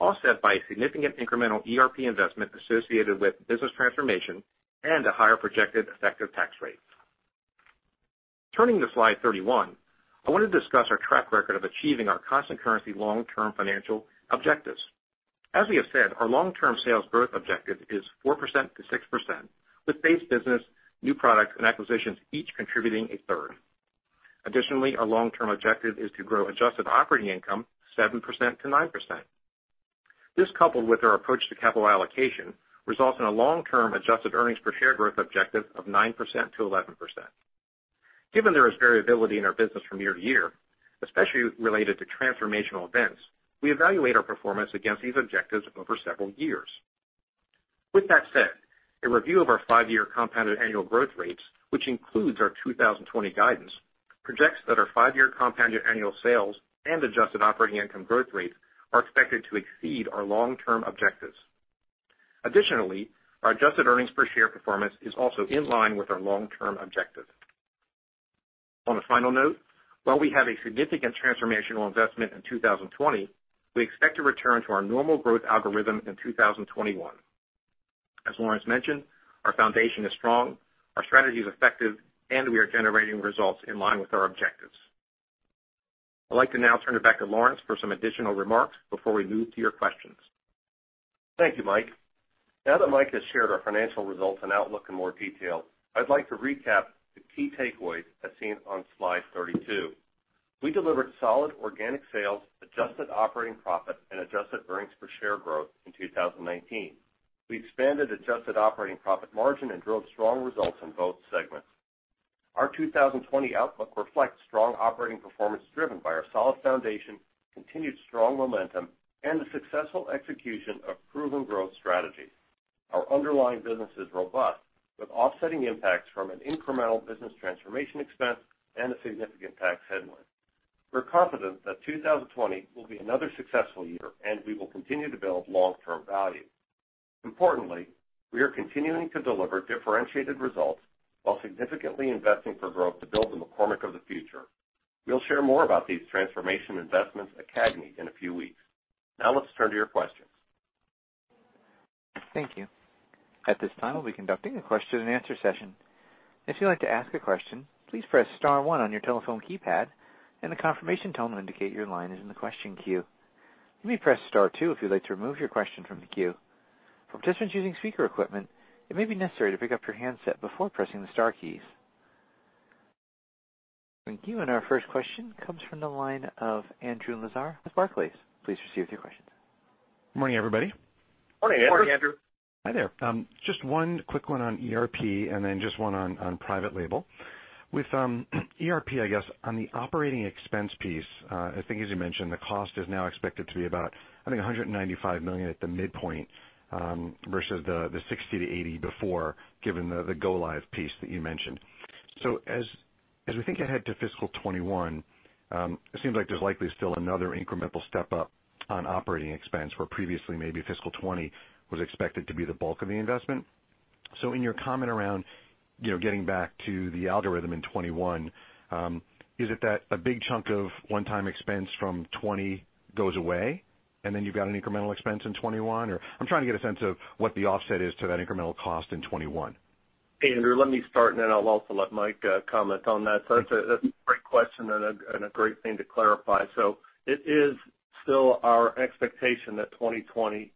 offset by a significant incremental ERP investment associated with business transformation and a higher projected effective tax rate. Turning to slide 31, I want to discuss our track record of achieving our constant currency long-term financial objectives. As we have said, our long-term sales growth objective is 4%-6%, with base business, new products, and acquisitions each contributing a 1/3. Additionally, our long-term objective is to grow adjusted operating income 7%-9%. This, coupled with our approach to capital allocation, results in a long-term adjusted earnings per share growth objective of 9%-11%. Given there is variability in our business from year-to-year, especially related to transformational events, we evaluate our performance against these objectives over several years. With that said, a review of our five-year compounded annual growth rates, which includes our 2020 guidance, projects that our five-year compounded annual sales and adjusted operating income growth rates are expected to exceed our long-term objectives. Additionally, our adjusted earnings per share performance is also in line with our long-term objective. On a final note, while we have a significant transformational investment in 2020, we expect to return to our normal growth algorithm in 2021. As Lawrence mentioned, our foundation is strong, our strategy is effective, and we are generating results in line with our objectives. I'd like to now turn it back to Lawrence for some additional remarks before we move to your questions. Thank you, Michael. Now that Michael has shared our financial results and outlook in more detail, I'd like to recap the key takeaways as seen on slide 32. We delivered solid organic sales, adjusted operating profit, and adjusted earnings per share growth in 2019. We expanded adjusted operating profit margin and drove strong results in both segments. Our 2020 outlook reflects strong operating performance driven by our solid foundation, continued strong momentum, and the successful execution of proven growth strategy. Our underlying business is robust, with offsetting impacts from an incremental business transformation expense and a significant tax headwind. We're confident that 2020 will be another successful year, and we will continue to build long-term value. Importantly, we are continuing to deliver differentiated results while significantly investing for growth to build the McCormick of the future. We'll share more about these transformation investments at CAGNY in a few weeks. Now let's turn to your questions. Thank you. At this time, we'll be conducting a question and answer session. If you'd like to ask a question, please press star one on your telephone keypad, and a confirmation tone will indicate your line is in the question queue. You may press star two if you'd like to remove your question from the queue. For participants using speaker equipment, it may be necessary to pick up your handset before pressing the star keys. Thank you. Our first question comes from the line of Andrew Lazar with Barclays. Please proceed with your questions. Morning, everybody. Morning, Andrew. Morning, Andrew. Hi there. Just one quick one on ERP and then just one on private label. With ERP, I guess, on the operating expense piece, I think as you mentioned, the cost is now expected to be about, I think, $195 million at the midpoint, versus the $60 million-$80 million before, given the go live piece that you mentioned. As we think ahead to fiscal 2021, it seems like there's likely still another incremental step up on operating expense, where previously maybe fiscal 2020 was expected to be the bulk of the investment. In your comment around getting back to the algorithm in 2021, is it that a big chunk of one-time expense from 2020 goes away, and then you've got an incremental expense in 2021? I'm trying to get a sense of what the offset is to that incremental cost in 2021? Hey, Andrew, let me start, and then I'll also let Michael Smith comment on that. That's a great question and a great thing to clarify. It is still our expectation that 2020 is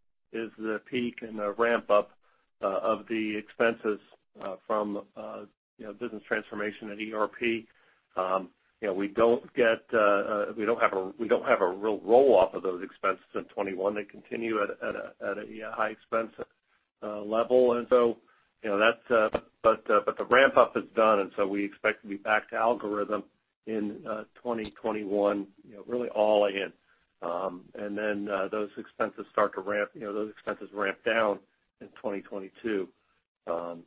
the peak and the ramp-up of the expenses from business transformation and ERP. We don't have a real roll-off of those expenses in 2021. They continue at a high expense level, but the ramp-up is done, we expect to be back to algorithm in 2021, really all in. Those expenses ramp down in 2022. I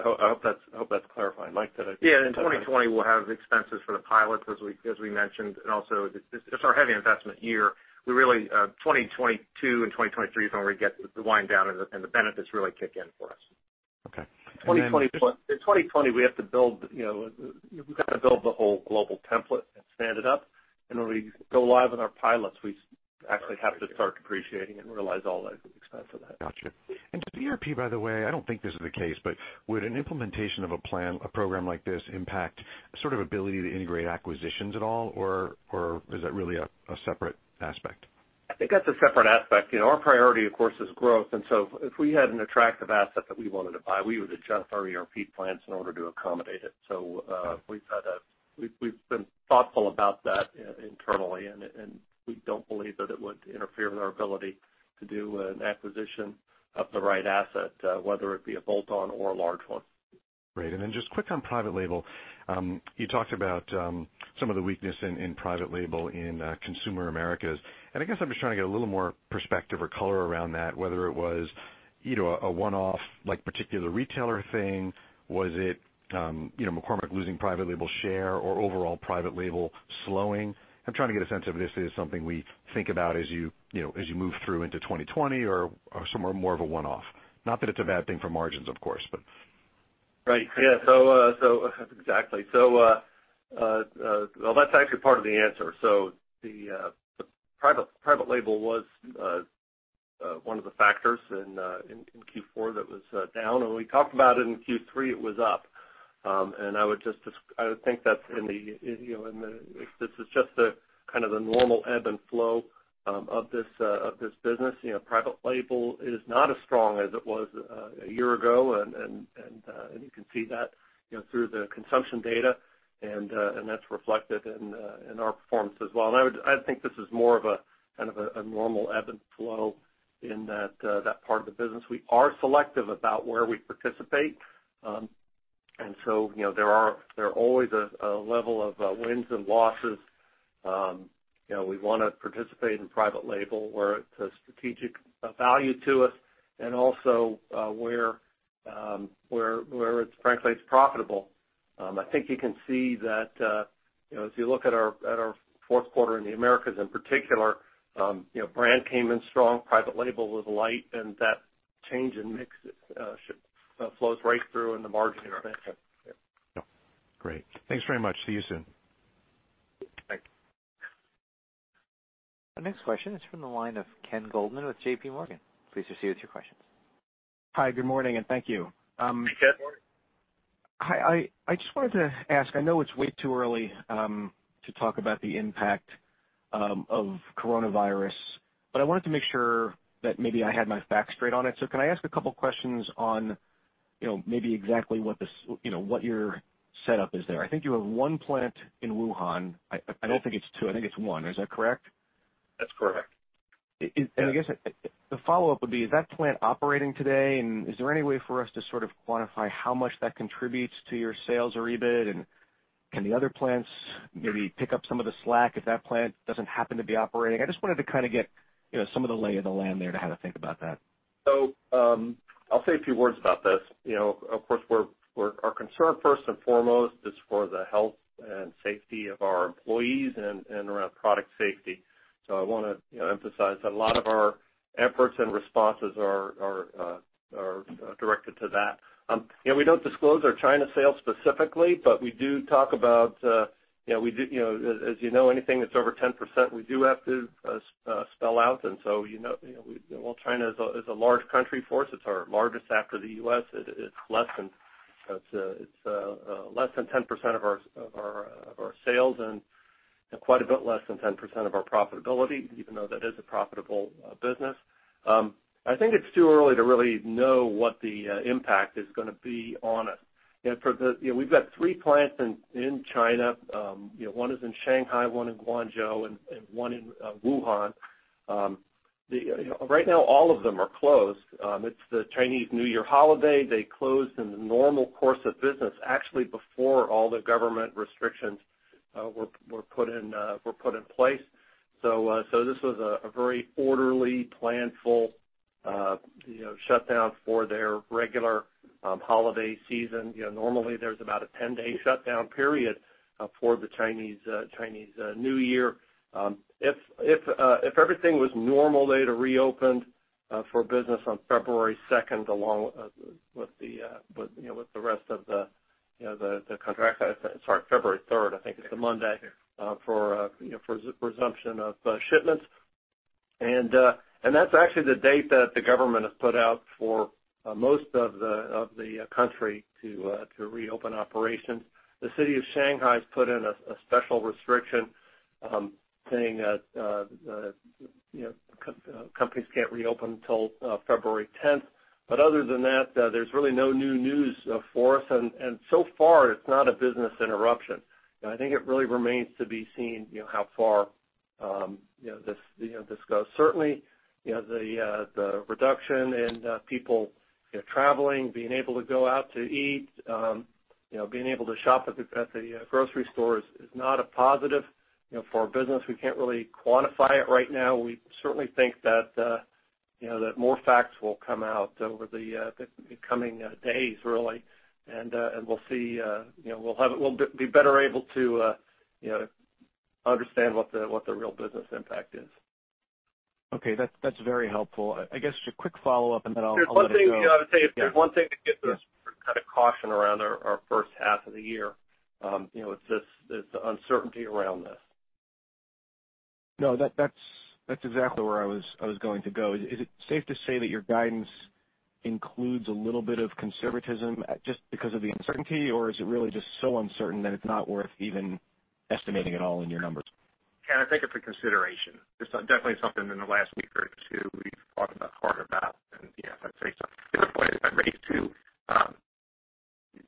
hope that's clarifying. Michael, did I- Yeah, in 2020, we'll have expenses for the pilots as we mentioned, and also it's our heavy investment year. We really, 2022 and 2023 is when we get the wind down and the benefits really kick in for us. Okay. In 2020, we have to build the whole global template and stand it up. When we go live on our pilots, we actually have to start depreciating it and realize all the expense of that. Got you. To the ERP, by the way, I don't think this is the case, but would an implementation of a plan, a program like this impact sort of ability to integrate acquisitions at all? Or is that really a separate aspect? I think that's a separate aspect. Our priority, of course, is growth. If we had an attractive asset that we wanted to buy, we would adjust our ERP plans in order to accommodate it. Okay. We've been thoughtful about that internally, and we don't believe that it would interfere with our ability to do an acquisition of the right asset, whether it be a bolt-on or a large one. Great. Just quick on private label. You talked about some of the weakness in private label in consumer Americas, and I guess I'm just trying to get a little more perspective or color around that, whether it was a one-off, like particular retailer thing, was it McCormick losing private label share or overall private label slowing? I'm trying to get a sense of if this is something we think about as you move through into 2020 or somewhere more of a one-off. Not that it's a bad thing for margins, of course. Right. Yeah. Exactly. Well, that's actually part of the answer. The private label was one of the factors in Q4 that was down, and when we talked about it in Q3, it was up. I would think that in the, this is just the kind of the normal ebb and flow of this business. Private label is not as strong as it was a year ago, and you can see that through the consumption data, and that's reflected in our performance as well. I think this is more of a kind of a normal ebb and flow in that part of the business. We are selective about where we participate. There are always a level of wins and losses. We want to participate in private label where it's a strategic value to us and also, where, it's frankly, it's profitable. I think you can see that, if you look at our Q4 in the Americas in particular, brand came in strong, private label was light, and that change in mix, flows right through in the margin expansion. Sure. Yeah. Great. Thanks very much. See you soon. Thank you. Our next question is from the line of Ken Goldman with JPMorgan. Please proceed with your question. Hi, good morning, and thank you. Hey, Ken Goldman. Hi. I just wanted to ask, I know it's way too early to talk about the impact of coronavirus, but I wanted to make sure that maybe I had my facts straight on it. Can I ask a couple of questions on maybe exactly what this, what your setup is there? I think you have one plant in Wuhan. I don't think it's two, I think it's one. Is that correct? That's correct. I guess the follow-up would be, is that plant operating today? Is there any way for us to sort of quantify how much that contributes to your sales or EBIT? Can the other plants maybe pick up some of the slack if that plant doesn't happen to be operating? I just wanted to kind of get some of the lay of the land there to how to think about that. I'll say a few words about this. Of course, our concern first and foremost is for the health and safety of our employees and around product safety. I want to emphasize that a lot of our efforts and responses are directed to that. We don't disclose our China sales specifically, but we do talk about, as you know, anything that's over 10%, we do have to spell out. While China is a large country for us, it's our largest after the U.S., it's less than 10% of our sales and quite a bit less than 10% of our profitability, even though that is a profitable business. I think it's too early to really know what the impact is gonna be on us. We've got three plants in China. One is in Shanghai, one in Guangzhou, and one in Wuhan. Right now all of them are closed. It's the Chinese New Year holiday. They closed in the normal course of business, actually, before all the government restrictions were put in place. This was a very orderly, planful shutdown for their regular holiday season. Normally, there's about a 10-day shutdown period for the Chinese New Year. If everything was normal, they'd have reopened for business on February 2nd, along with the rest of the contract. Sorry, February 3rd, I think it's a Monday for resumption of shipments. That's actually the date that the government has put out for most of the country to reopen operations. The city of Shanghai has put in a special restriction saying that companies can't reopen till February 10th. Other than that, there's really no new news for us, and so far, it's not a business interruption. I think it really remains to be seen how far this goes. Certainly, the reduction in people traveling, being able to go out to eat, being able to shop at the grocery store is not a positive for our business. We can't really quantify it right now. We certainly think that more facts will come out over the coming days, really, and we'll be better able to understand what the real business impact is. Okay, that's very helpful. I guess just a quick follow-up, and then I'll let it go. If there's one thing I would say, if there's one thing to give us kind of caution around our H1 of the year, it's the uncertainty around this. No, that's exactly where I was going to go. Is it safe to say that your guidance includes a little bit of conservatism just because of the uncertainty, or is it really just so uncertain that it's not worth even estimating at all in your numbers? Ken Goldman, I think it's a consideration. It's definitely something in the last week or two we've thought hard about and yeah, I'd say so. Different point, I'd make too,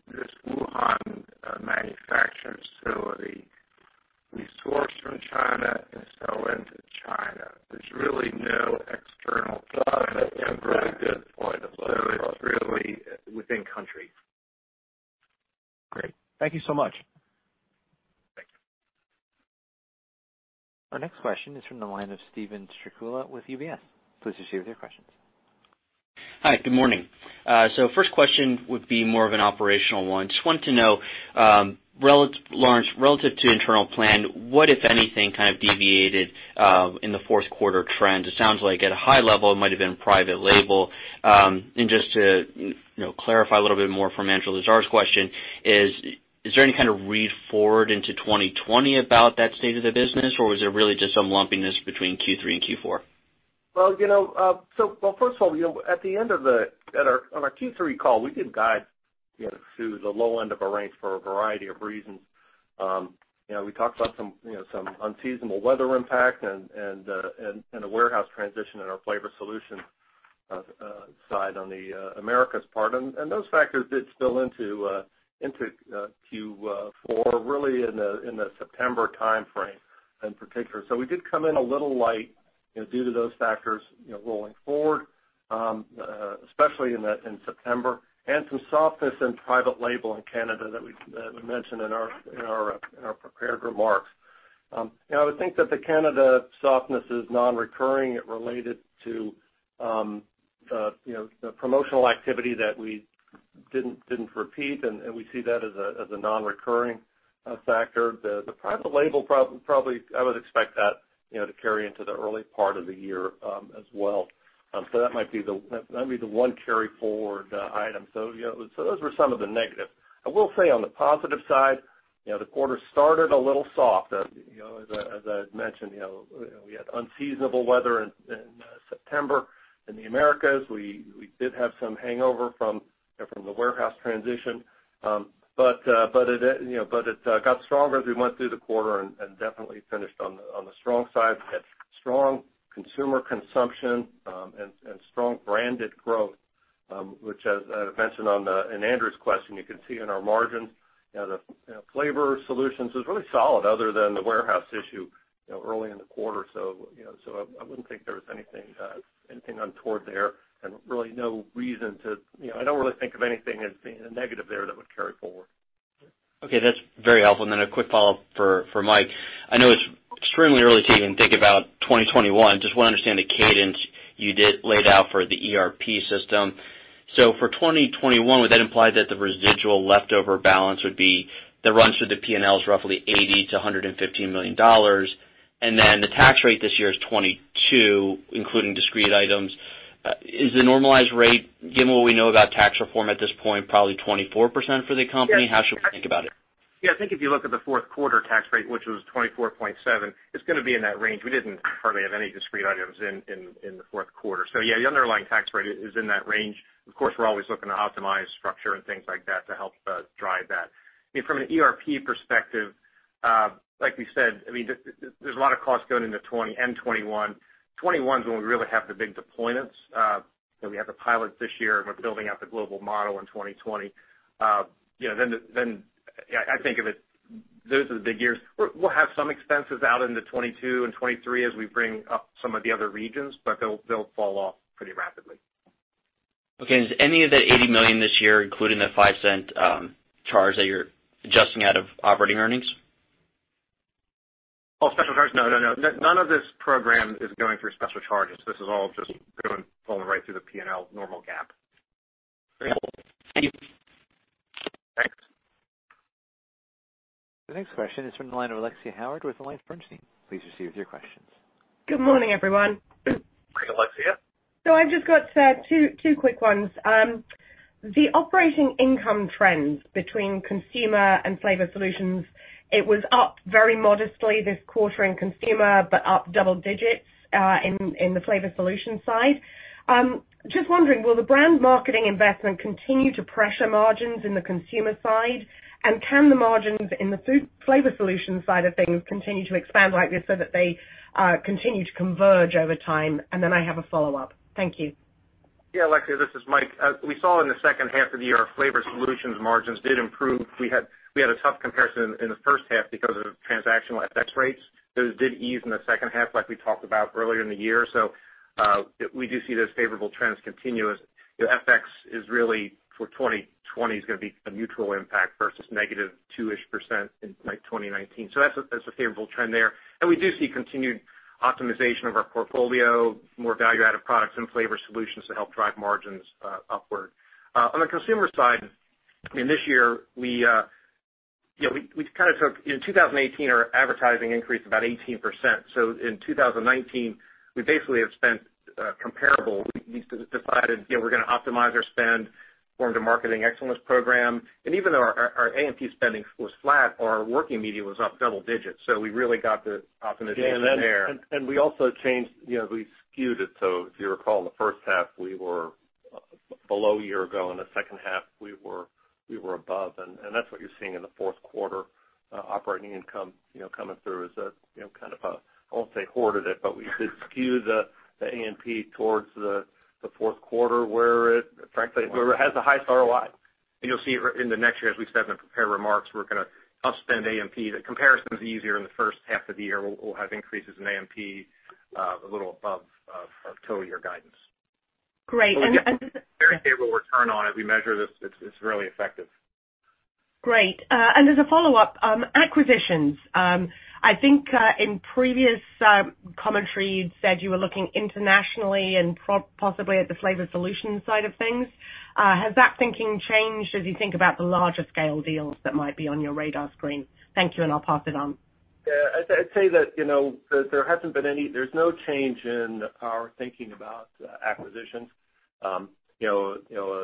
this Wuhan manufacturing facility. It's really within country. Great. Thank you so much. Thank you. Our next question is from the line of Steven Strycula with UBS. Please proceed with your questions. Hi, good morning. First question would be more of an operational one. Just wanted to know, Lawrence, relative to internal plan, what, if anything, kind of deviated in the Q4 trends? It sounds like at a high level, it might've been private label. Just to clarify a little bit more from Andrew Lazar's question is there any kind of read forward into 2020 about that state of the business, or was it really just some lumpiness between Q3 and Q4? Well, first of all, on our Q3 call, we did guide to the low end of our range for a variety of reasons. We talked about some unseasonable weather impact and a warehouse transition in our Flavor Solutions side on the Americas part. Those factors did spill into Q4, really in the September timeframe in particular. We did come in a little light due to those factors rolling forward, especially in September, and some softness in private label in Canada that we mentioned in our prepared remarks. I would think that the Canada softness is non-recurring. It related to the promotional activity that we didn't repeat, and we see that as a non-recurring factor. The private label, probably, I would expect that to carry into the early part of the year as well. That might be the one carry-forward item. Those were some of the negatives. I will say, on the positive side, the quarter started a little soft. As I had mentioned, we had unseasonable weather in September in the Americas. We did have some hangover from the warehouse transition. It got stronger as we went through the quarter and definitely finished on the strong side. We had strong consumer consumption and strong branded growth, which as I mentioned in Andrew's question, you can see in our margins. The Flavor Solutions was really solid other than the warehouse issue early in the quarter, so I wouldn't think there was anything untoward there and really I don't really think of anything as being a negative there that would carry forward. Okay. That's very helpful, a quick follow-up for Michael Smith. I know it's extremely early to even think about 2021. Just want to understand the cadence you laid out for the ERP system. For 2021, would that imply that the residual leftover balance would be the runs through the P&Ls roughly $80 million-$115 million, and then the tax rate this year is 22%, including discrete items. Is the normalized rate, given what we know about tax reform at this point, probably 24% for the company? How should we think about it? Yeah, I think if you look at the Q4 tax rate, which was 24.7%, it's going to be in that range. We didn't hardly have any discrete items in the Q4. Yeah, the underlying tax rate is in that range. Of course, we're always looking to optimize structure and things like that to help drive that. From an ERP perspective, like we said, there's a lot of costs going into 2020 and 2021. 2021 is when we really have the big deployments. We have the pilots this year, and we're building out the global model in 2020. I think of it, those are the big years. We'll have some expenses out into 2022 and 2023 as we bring up some of the other regions, but they'll fall off pretty rapidly. Okay. Is any of the $80 million this year included in the $0.05 charge that you're adjusting out of operating earnings? Oh, special charges? No, none of this program is going through special charges. This is all just going right through the P&L normal GAAP. Very helpful. Thank you. Thanks. The next question is from the line of Alexia Howard with Bernstein. Please proceed with your questions. Good morning, everyone. Good morning, Alexia. I've just got two quick ones. The operating income trends between Consumer and Flavor Solutions, it was up very modestly this quarter in Consumer, but up double digits in the Flavor Solutions side. Just wondering, will the brand marketing investment continue to pressure margins in the Consumer side? Can the margins in the Flavor Solutions side of things continue to expand like this so that they continue to converge over time? I have a follow-up. Thank you. Yeah, Alexia, this is Michael Smith. As we saw in the H2 of the year, our flavor solutions margins did improve. We had a tough comparison in the H1 because of transactional FX rates. Those did ease in the H2 like we talked about earlier in the year. We do see those favorable trends continuous. FX is really for 2020, is going to be a neutral impact versus -2-ish% in 2019. That's a favorable trend there. We do see continued optimization of our portfolio, more value-added products and flavor solutions to help drive margins upward. On the consumer side, in this year, in 2018, our advertising increased about 18%, in 2019, we basically have spent comparable. We decided we're going to optimize our spend, formed a marketing excellence program. Even though our AMP spending was flat, our working media was up double digits. We really got the optimization there. We also changed, we skewed it, so if you recall, in the H1, we were below a year ago. In the H2, we were above. That's what you're seeing in the Q4 operating income coming through is a kind of a, I won't say hoarded it, but we did skew the AMP towards the Q4 where it, frankly, has the highest ROI. You'll see in the next year as we set the prepared remarks, we're going to up-spend AMP. The comparison's easier in the H1 of the year. We'll have increases in AMP, a little above our full-year guidance. Great. Very favorable return on it. We measure this. It's really effective. Great. As a follow-up, acquisitions. I think in previous commentary you'd said you were looking internationally and possibly at the flavor solutions side of things. Has that thinking changed as you think about the larger scale deals that might be on your radar screen? Thank you, and I'll pass it on. Yeah, I'd say that there's no change in our thinking about acquisitions. If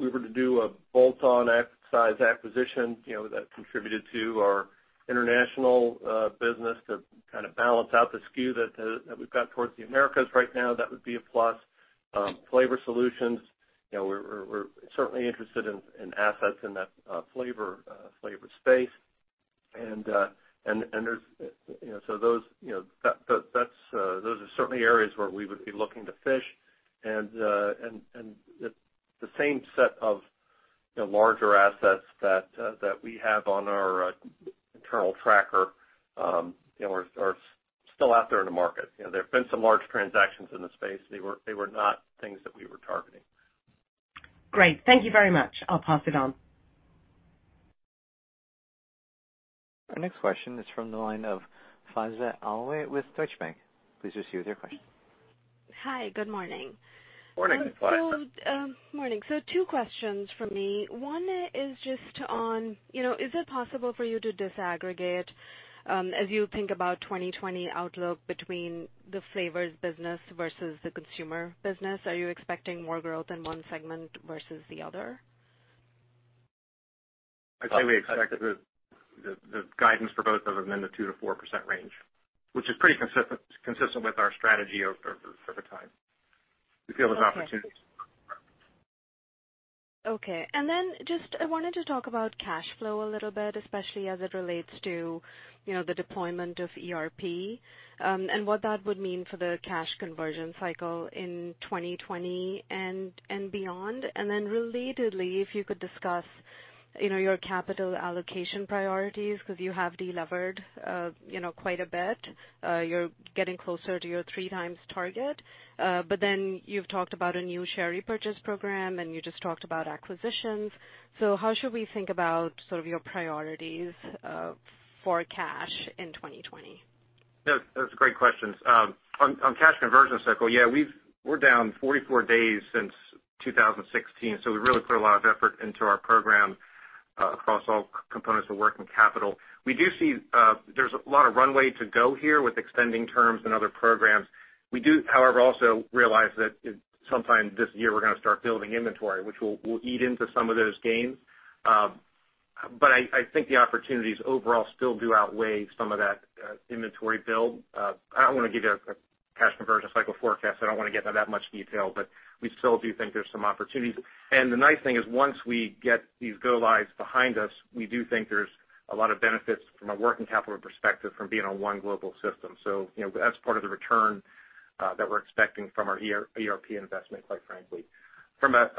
we were to do a bolt-on size acquisition that contributed to our international business to kind of balance out the skew that we've got towards the Americas right now, that would be a plus. Flavor solutions, we're certainly interested in assets in that flavor space. Those are certainly areas where we would be looking to fish. The same set of larger assets that we have on our internal tracker are still out there in the market. There have been some large transactions in the space. They were not things that we were targeting. Great. Thank you very much. I'll pass it on. Our next question is from the line of Faiza Alwy with Deutsche Bank. Please proceed with your question. Hi. Good morning. Morning, Faiza Alwy. Morning. Two questions from me. One is just on, is it possible for you to disaggregate as you think about 2020 outlook between the flavors business versus the consumer business? Are you expecting more growth in one segment versus the other? I'd say we expect the guidance for both of them in the 2%-4% range, which is pretty consistent with our strategy over the time. We feel there's opportunities. I wanted to talk about cash flow a little bit, especially as it relates to the deployment of ERP and what that would mean for the cash conversion cycle in 2020 and beyond. Relatedly, if you could discuss your capital allocation priorities because you have delevered quite a bit. You're getting closer to your 3x target. You've talked about a new share repurchase program, and you just talked about acquisitions. How should we think about sort of your priorities for cash in 2020? Those are great questions. On cash conversion cycle, yeah, we're down 44 days since 2016, so we really put a lot of effort into our program across all components of working capital. There's a lot of runway to go here with extending terms and other programs. We do, however, also realize that sometime this year, we're going to start building inventory, which will eat into some of those gains. I think the opportunities overall still do outweigh some of that inventory build. I don't want to give you a cash conversion cycle forecast. I don't want to get into that much detail, but we still do think there's some opportunities. The nice thing is once we get these go-lives behind us, we do think there's a lot of benefits from a working capital perspective from being on one global system. That's part of the return that we're expecting from our ERP investment, quite frankly. From a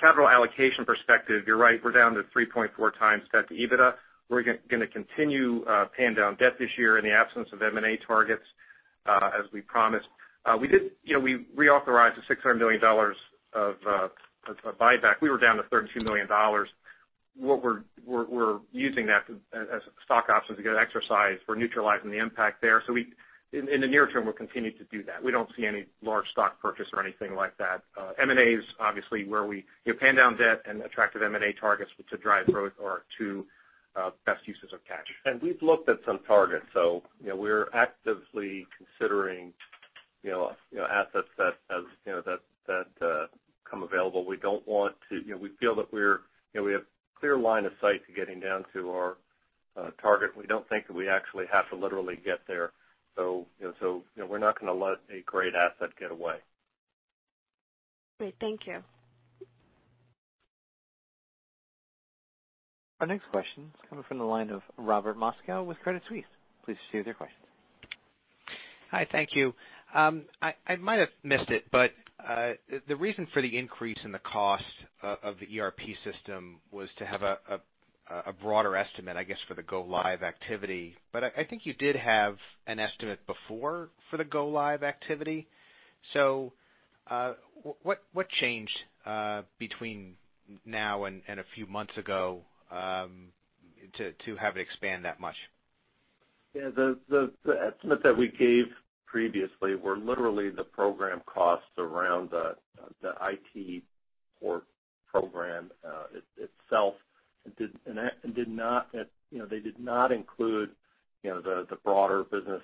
capital allocation perspective, you're right. We're down to 3.4x debt to EBITDA. We're going to continue paying down debt this year in the absence of M&A targets, as we promised. We reauthorized the $600 million of buyback. We were down to $32 million. What we're using that as stock options to get exercise for neutralizing the impact there. In the near term, we'll continue to do that. We don't see any large stock purchase or anything like that. M&A is obviously where we pay down debt and attractive M&A targets to drive growth are two best uses of cash. We've looked at some targets. We're actively considering assets that come available. We feel that we actually have clear line of sight to getting down to our target. We don't think that we actually have to literally get there. We're not going to let a great asset get away. Great. Thank you. Our next question is coming from the line of Robert Moskow with Credit Suisse. Please proceed with your question. Hi. Thank you. I might have missed it, the reason for the increase in the cost of the ERP system was to have a broader estimate, I guess, for the go-live activity. I think you did have an estimate before for the go-live activity. What changed between now and a few months ago to have it expand that much? Yeah. The estimate that we gave previously were literally the program costs around the IT core program itself. They did not include the broader business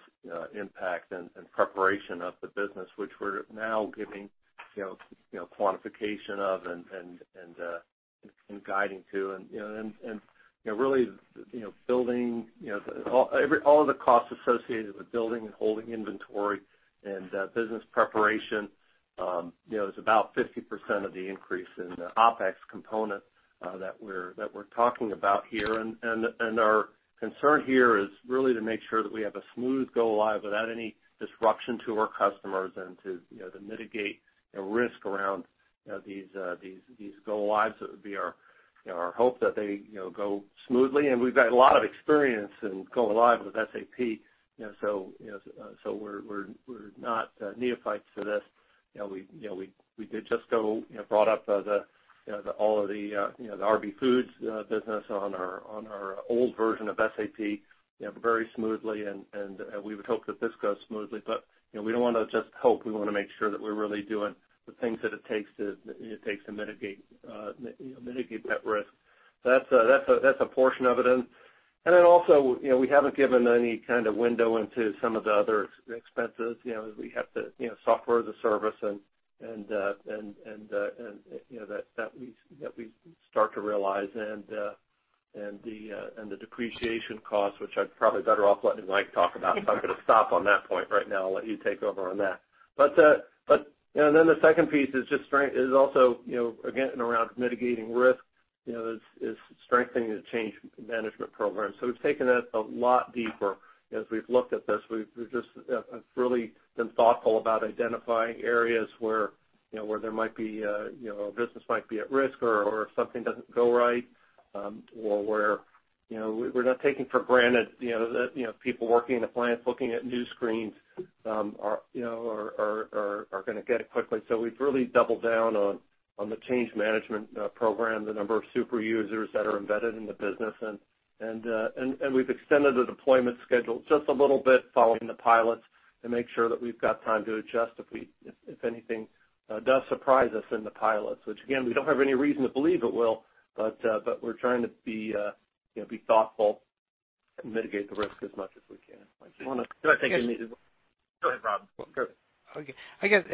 impact and preparation of the business, which we're now giving quantification of and guiding to and really all of the costs associated with building and holding inventory and business preparation is about 50% of the increase in the OpEx component that we're talking about here. Our concern here is really to make sure that we have a smooth go-live without any disruption to our customers and to mitigate risk around these go-lives. It would be our hope that they go smoothly, and we've got a lot of experience in go-live with SAP, so we're not neophytes to this. We did just brought up all of the RB Foods business on our old version of SAP very smoothly, we would hope that this goes smoothly. We don't want to just hope. We want to make sure that we're really doing the things that it takes to mitigate that risk. That's a portion of it. Then also, we haven't given any kind of window into some of the other expenses. As we have the software as a service and that we start to realize and the depreciation cost, which I'm probably better off letting Michael Smith talk about. I'm going to stop on that point right now. I'll let you take over on that. Then the second piece is also again, around mitigating risk, is strengthening the change management program. We've taken it a lot deeper as we've looked at this. We've just really been thoughtful about identifying areas where the business might be at risk or if something doesn't go right, or where we're not taking for granted that people working in the plant looking at new screens are going to get it quickly. We've really doubled down on the change management program, the number of super users that are embedded in the business, and we've extended the deployment schedule just a little bit following the pilots to make sure that we've got time to adjust if anything does surprise us in the pilots, which again, we don't have any reason to believe it will, but we're trying to be thoughtful and mitigate the risk as much as we can. Michael Smith you want to- Go ahead, Rob. Okay. I guess,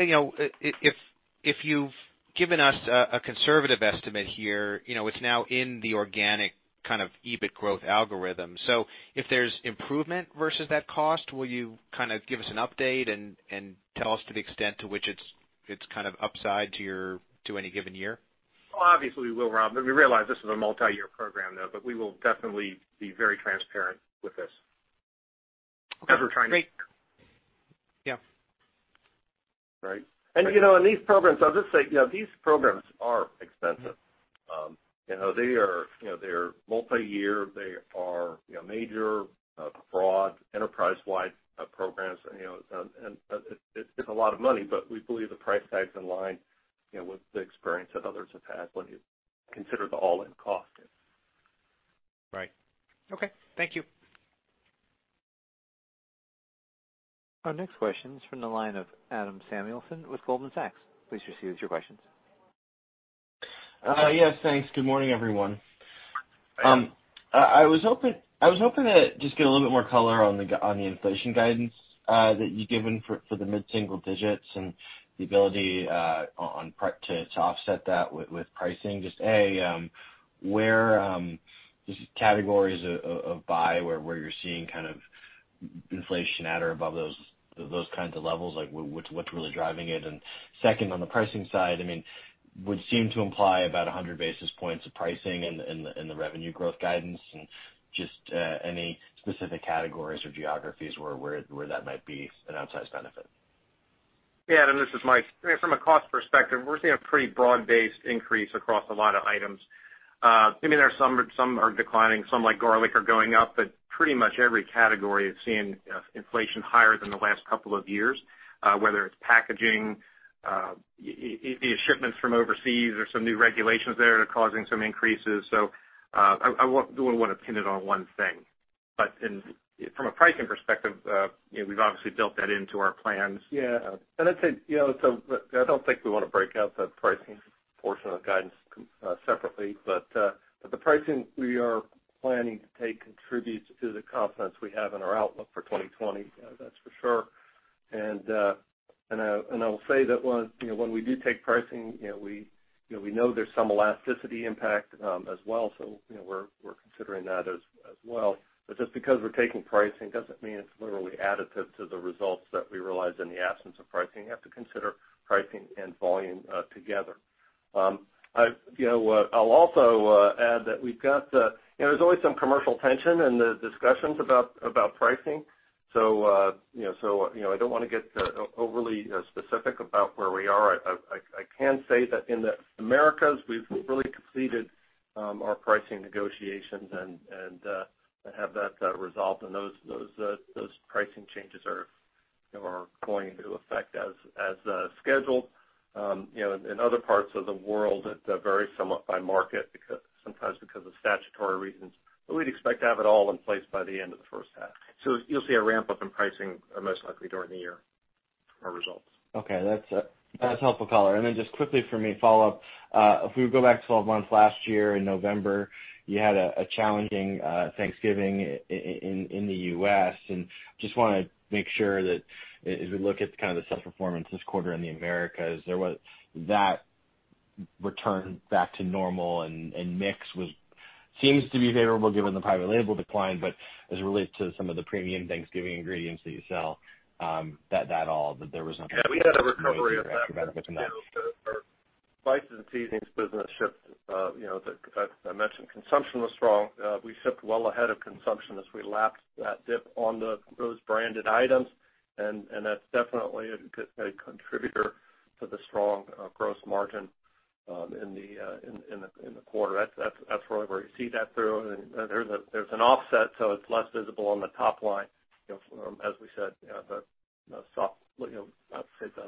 if you've given us a conservative estimate here, it's now in the organic kind of EBIT growth algorithm. If there's improvement versus that cost, will you give us an update and tell us to the extent to which it's upside to any given year? Well, obviously we will, Rob. We realize this is a multi-year program, though, but we will definitely be very transparent with this. Okay, great. Yeah. Right. These programs, I'll just say these programs are expensive. They are multi-year. They are major, broad, enterprise-wide programs, and it's a lot of money, but we believe the price tag's in line with the experience that others have had when you consider the all-in cost. Right. Okay. Thank you. Our next question is from the line of Adam Samuelson with Goldman Sachs. Please proceed with your questions. Yes, thanks. Good morning, everyone. Hi. I was hoping to just get a little bit more color on the inflation guidance that you've given for the mid-single digits and the ability to offset that with pricing. Just A, where categories of buy where you're seeing inflation at or above those kinds of levels, like what's really driving it? Second, on the pricing side, would seem to imply about 100 basis points of pricing in the revenue growth guidance and just any specific categories or geographies where that might be an outsized benefit. Adam, this is Michael. From a cost perspective, we're seeing a pretty broad-based increase across a lot of items. Some are declining, some, like garlic, are going up, but pretty much every category is seeing inflation higher than the last couple of years, whether it's packaging, the shipments from overseas, there's some new regulations there that are causing some increases. I wouldn't want to pin it on one thing. From a pricing perspective, we've obviously built that into our plans. Yeah. I'd say, I don't think we want to break out the pricing portion of the guidance separately, but the pricing we are planning to take contributes to the confidence we have in our outlook for 2020, that's for sure. I will say that when we do take pricing, we know there's some elasticity impact as well, so we're considering that as well. Just because we're taking pricing doesn't mean it's literally additive to the results that we realized in the absence of pricing. You have to consider pricing and volume together. I'll also add that there's always some commercial tension in the discussions about pricing. I don't want to get overly specific about where we are. I can say that in the Americas, we've really completed our pricing negotiations and have that resolved, and those pricing changes are going into effect as scheduled. In other parts of the world, it varies somewhat by market, sometimes because of statutory reasons. We'd expect to have it all in place by the end of the H1. You'll see a ramp-up in pricing most likely during the year, for results. Okay, that's a helpful color. Just quickly for me, follow up. If we go back 12 months last year in November, you had a challenging Thanksgiving in the U.S., just want to make sure that as we look at kind of the sales performance this quarter in the Americas, that returned back to normal and mix seems to be favorable given the private label decline. As it relates to some of the premium Thanksgiving ingredients that you sell, that there was no- Yeah, we had a recovery effect. Our spices and seasonings business shipped. I mentioned consumption was strong. We shipped well ahead of consumption as we lapsed that dip on those branded items. That's definitely a contributor to the strong gross margin in the quarter. That's really where you see that through. There's an offset. It's less visible on the top line. As we said, the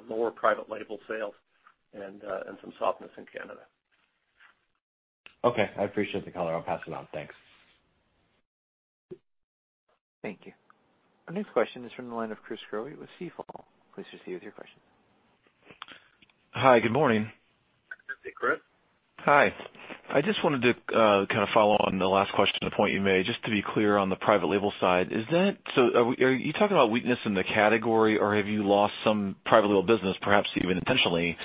lower private label sales and some softness in Canada. Okay. I appreciate the color. I'll pass it on. Thanks. Thank you. Our next question is from the line of Chris Growe with Stifel. Please proceed with your question. Hi, good morning. Hey, Chris. Hi. I just wanted to kind of follow on the last question, a point you made, just to be clear on the private label side. Are you talking about weakness in the category, or have you lost some private label business, perhaps even intentionally?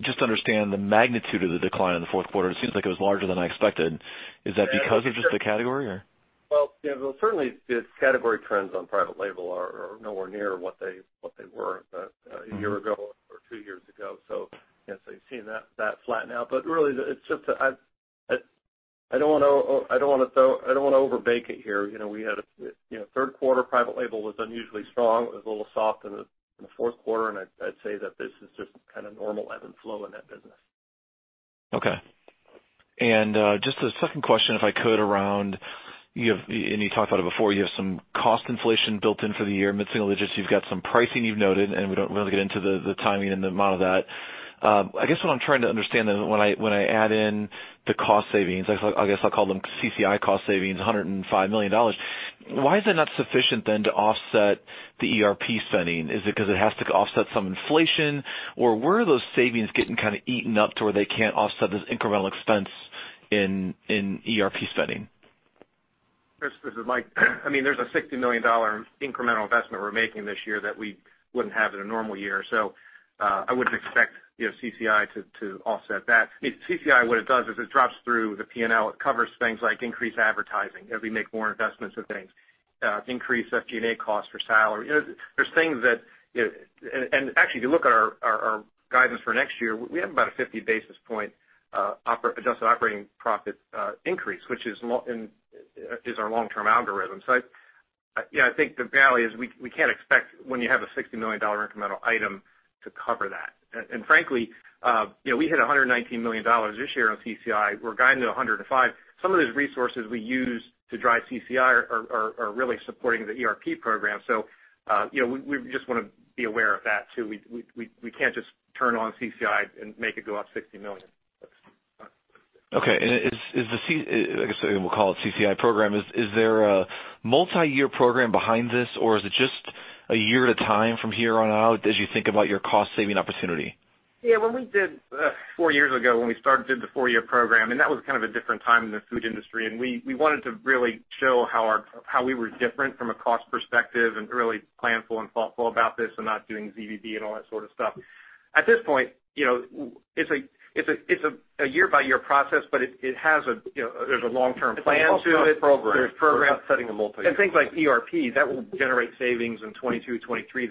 Just to understand the magnitude of the decline in the Q4, it seems like it was larger than I expected. Is that because of just the category, or? Well, certainly the category trends on private label are nowhere near what they were a year ago or two years ago, so you've seen that flatten out. Really, I don't want to overbake it here. Q3 private label was unusually strong. It was a little soft in the Q4, and I'd say that this is just kind of normal ebb and flow in that business. Okay. Just a second question, if I could, around. You talked about it before. You have some cost inflation built in for the year, I'm assuming you've got some pricing you've noted, and we don't want to get into the timing and the amount of that. I guess what I'm trying to understand then, when I add in the cost savings, I guess I'll call them CCI cost savings, $105 million, why is that not sufficient then to offset the ERP spending? Is it because it has to offset some inflation, or where are those savings getting kind of eaten up to where they can't offset this incremental expense in ERP spending? Chris, this is Michael Smith. There's a $60 million incremental investment we're making this year that we wouldn't have in a normal year. I wouldn't expect CCI to offset that. CCI, what it does is it drops through the P&L. It covers things like increased advertising, as we make more investments in things, increased SG&A costs for salary. Actually, if you look at our guidance for next year, we have about a 50 basis point adjusted operating profit increase, which is our long-term algorithm. I think the reality is we can't expect when you have a $60 million incremental item to cover that. Frankly, we hit $119 million this year on CCI. We're guiding to $105 million. Some of these resources we use to drive CCI are really supporting the ERP program. We just want to be aware of that, too. We can't just turn on CCI and make it go up $60 million. Okay. I guess we'll call it CCI program. Is there a multi-year program behind this, or is it just a year at a time from here on out as you think about your cost-saving opportunity? Four years ago, when we started, did the four-year program, and that was kind of a different time in the food industry, and we wanted to really show how we were different from a cost perspective and really planful and thoughtful about this and not doing ZBB and all that sort of stuff. At this point, it's a year-by-year process, but there's a long-term plan to it. It's also a program. We're not setting a multi-year program. Things like ERP, that will generate savings in 2022, 2023.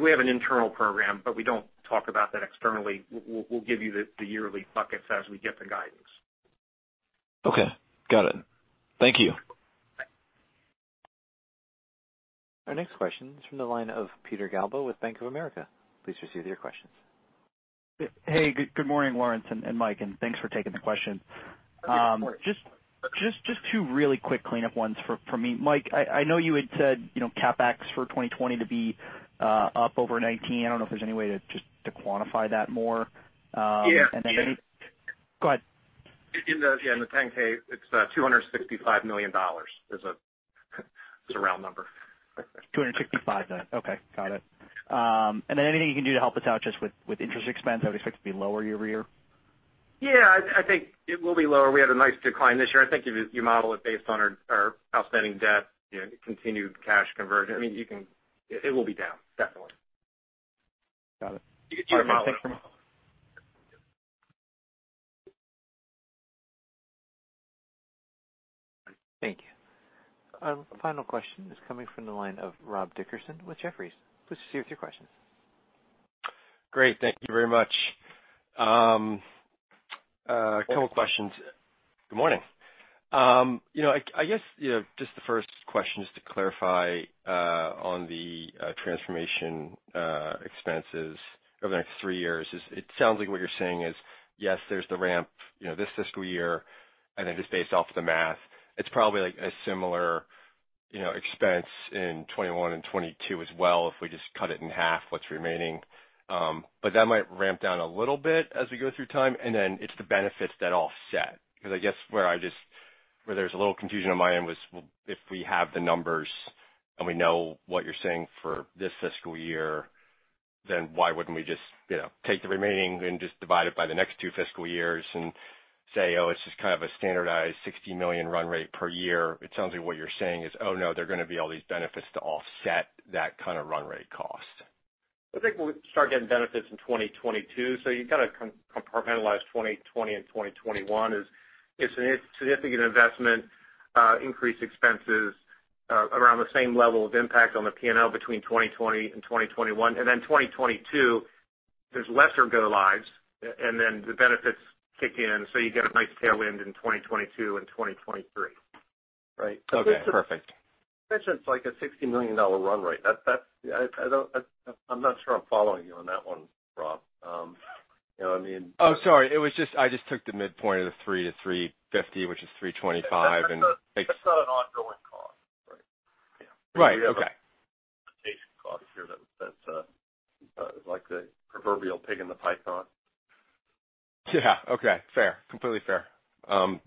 We have an internal program, but we don't talk about that externally. We'll give you the yearly buckets as we get the guidance. Okay, got it. Thank you. Our next question is from the line of Peter Galbo with Bank of America. Please proceed with your questions. Hey, good morning, Lawrence and Michael, thanks for taking the question. Yeah, of course. Just two really quick cleanup ones for me. Michael, I know you had said, CapEx for 2020 to be up over 2019. I don't know if there's any way to just quantify that more. Yeah. Go ahead. In the 10-K, it's $265 million. There's a round number. $265 then. Okay, got it. Anything you can do to help us out just with interest expense? I would expect it to be lower year-over-year. Yeah, I think it will be lower. We had a nice decline this year. I think if you model it based on our outstanding debt, continued cash conversion, it will be down, definitely. Got it. You can model it. Thank you. Our final question is coming from the line of Rob Dickerson with Jefferies. Please proceed with your questions. Great. Thank you very much. A couple questions. Good morning. I guess, just the first question is to clarify on the transformation expenses over the next three years. It sounds like what you're saying is, yes, there's the ramp this fiscal year. Then just based off the math, it's probably a similar expense in 2021 and 2022 as well if we just cut it in half what's remaining. That might ramp down a little bit as we go through time. Then it's the benefits that offset. I guess where there's a little confusion on my end was, well, if we have the numbers and we know what you're saying for this fiscal year, why wouldn't we just take the remaining and just divide it by the next two fiscal years and say, "Oh, it's just kind of a standardized $60 million run rate per year." It sounds like what you're saying is, "Oh, no, there are gonna be all these benefits to offset that kind of run rate cost. I think we'll start getting benefits in 2022. You've got to compartmentalize 2020 and 2021. It's a significant investment, increased expenses around the same level of impact on the P&L between 2020 and 2021. 2022, there's lesser go lives, and the benefits kick in. You get a nice tailwind in 2022 and 2023. Right. Okay, perfect. You mentioned it's like a $60 million run rate. I'm not sure I'm following you on that one, Rob. You know what I mean? Oh, sorry. I just took the midpoint of the $3-$3.50, which is $3.25. That's not an ongoing cost. Right. Okay. We have a cost here that's like the proverbial pig in the python. Yeah. Okay, fair. Completely fair.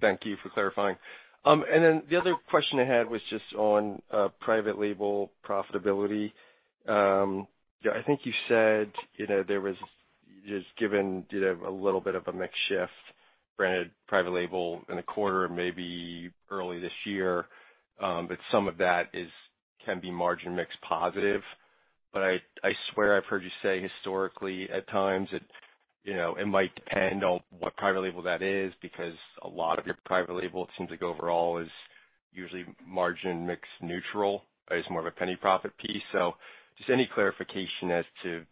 Thank you for clarifying. The other question I had was just on private label profitability. I think you said there was just given a little bit of a mix shift, branded private label in a quarter, maybe early this year. Some of that can be margin mixed positive. I swear I've heard you say historically at times, it might depend on what private label that is because a lot of your private label it seems like overall is usually margin mixed neutral. It's more of a penny profit piece. Just any clarification as to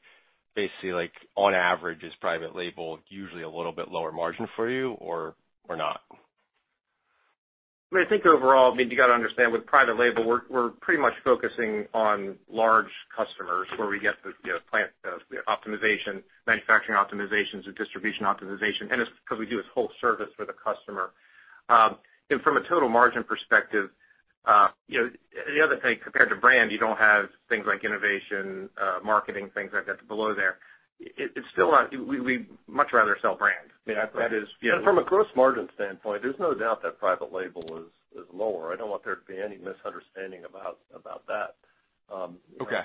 basically on average, is private label usually a little bit lower margin for you or not? I think overall, you've got to understand with private label, we're pretty much focusing on large customers where we get the plant optimization, manufacturing optimizations, the distribution optimization, and it's because we do it as whole service for the customer. From a total margin perspective, the other thing, compared to brand, you don't have things like innovation, marketing, things like that below there. We much rather sell brands. Yeah. From a gross margin standpoint, there's no doubt that private label is lower. I don't want there to be any misunderstanding about that. Okay.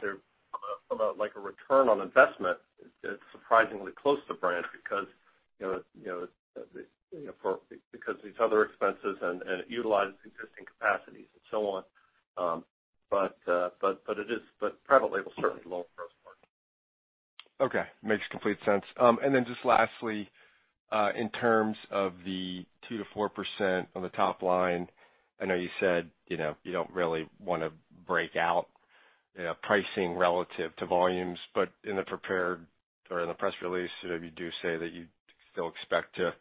From, like, a return on investment, it's surprisingly close to brand because these other expenses and it utilizes existing capacities and so on. Private label is certainly lower gross margin. Okay. Makes complete sense. Just lastly, in terms of the 2%-4% on the top line, I know you said you don't really want to break out pricing relative to volumes, but in the press release, you do say that you still expect to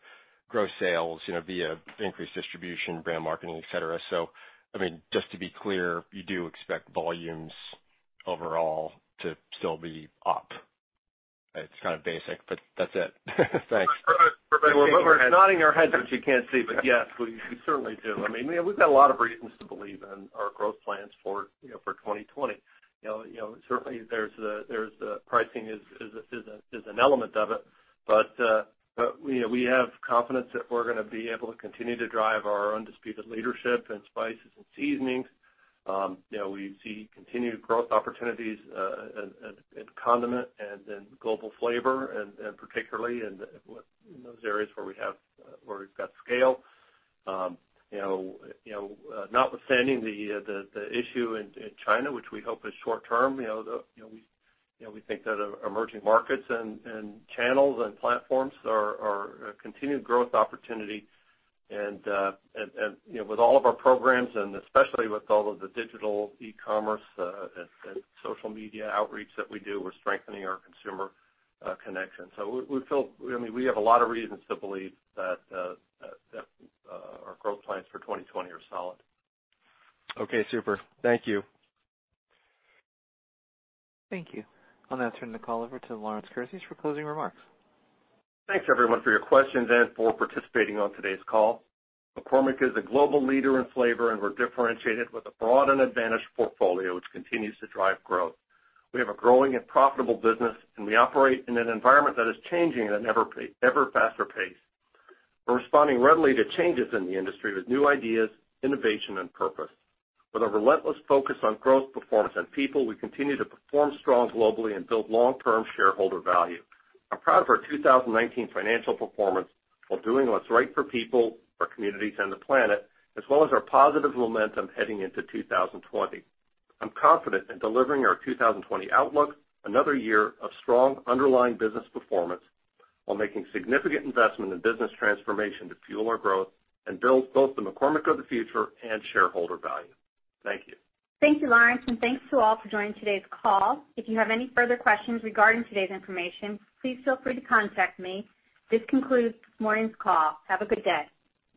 grow sales via increased distribution, brand marketing, et cetera. Just to be clear, you do expect volumes overall to still be up. It's kind of basic, but that's it. Thanks. We're nodding our heads, which you can't see. Yes, we certainly do. We've got a lot of reasons to believe in our growth plans for 2020. Certainly pricing is an element of it. We have confidence that we're gonna be able to continue to drive our undisputed leadership in spices and seasonings. We see continued growth opportunities in condiment and in global flavor, and particularly in those areas where we've got scale. Notwithstanding the issue in China, which we hope is short-term, we think that emerging markets and channels and platforms are a continued growth opportunity and with all of our programs, and especially with all of the digital eCommerce, and social media outreach that we do, we're strengthening our consumer connection. We have a lot of reasons to believe that our growth plans for 2020 are solid. Okay, super. Thank you. Thank you. I'll now turn the call over to Lawrence Kurzius for closing remarks. Thanks, everyone, for your questions and for participating on today's call. McCormick is a global leader in flavor, and we're differentiated with a broad and advantaged portfolio, which continues to drive growth. We have a growing and profitable business, and we operate in an environment that is changing at an ever faster pace. We're responding readily to changes in the industry with new ideas, innovation, and purpose. With a relentless focus on growth, performance, and people, we continue to perform strong globally and build long-term shareholder value. I'm proud of our 2019 financial performance while doing what's right for people, our communities, and the planet, as well as our positive momentum heading into 2020. I'm confident in delivering our 2020 outlook, another year of strong underlying business performance while making significant investment in business transformation to fuel our growth and build both the McCormick of the future and shareholder value. Thank you. Thank you, Lawrence, and thanks to all for joining today's call. If you have any further questions regarding today's information, please feel free to contact me. This concludes this morning's call. Have a good day.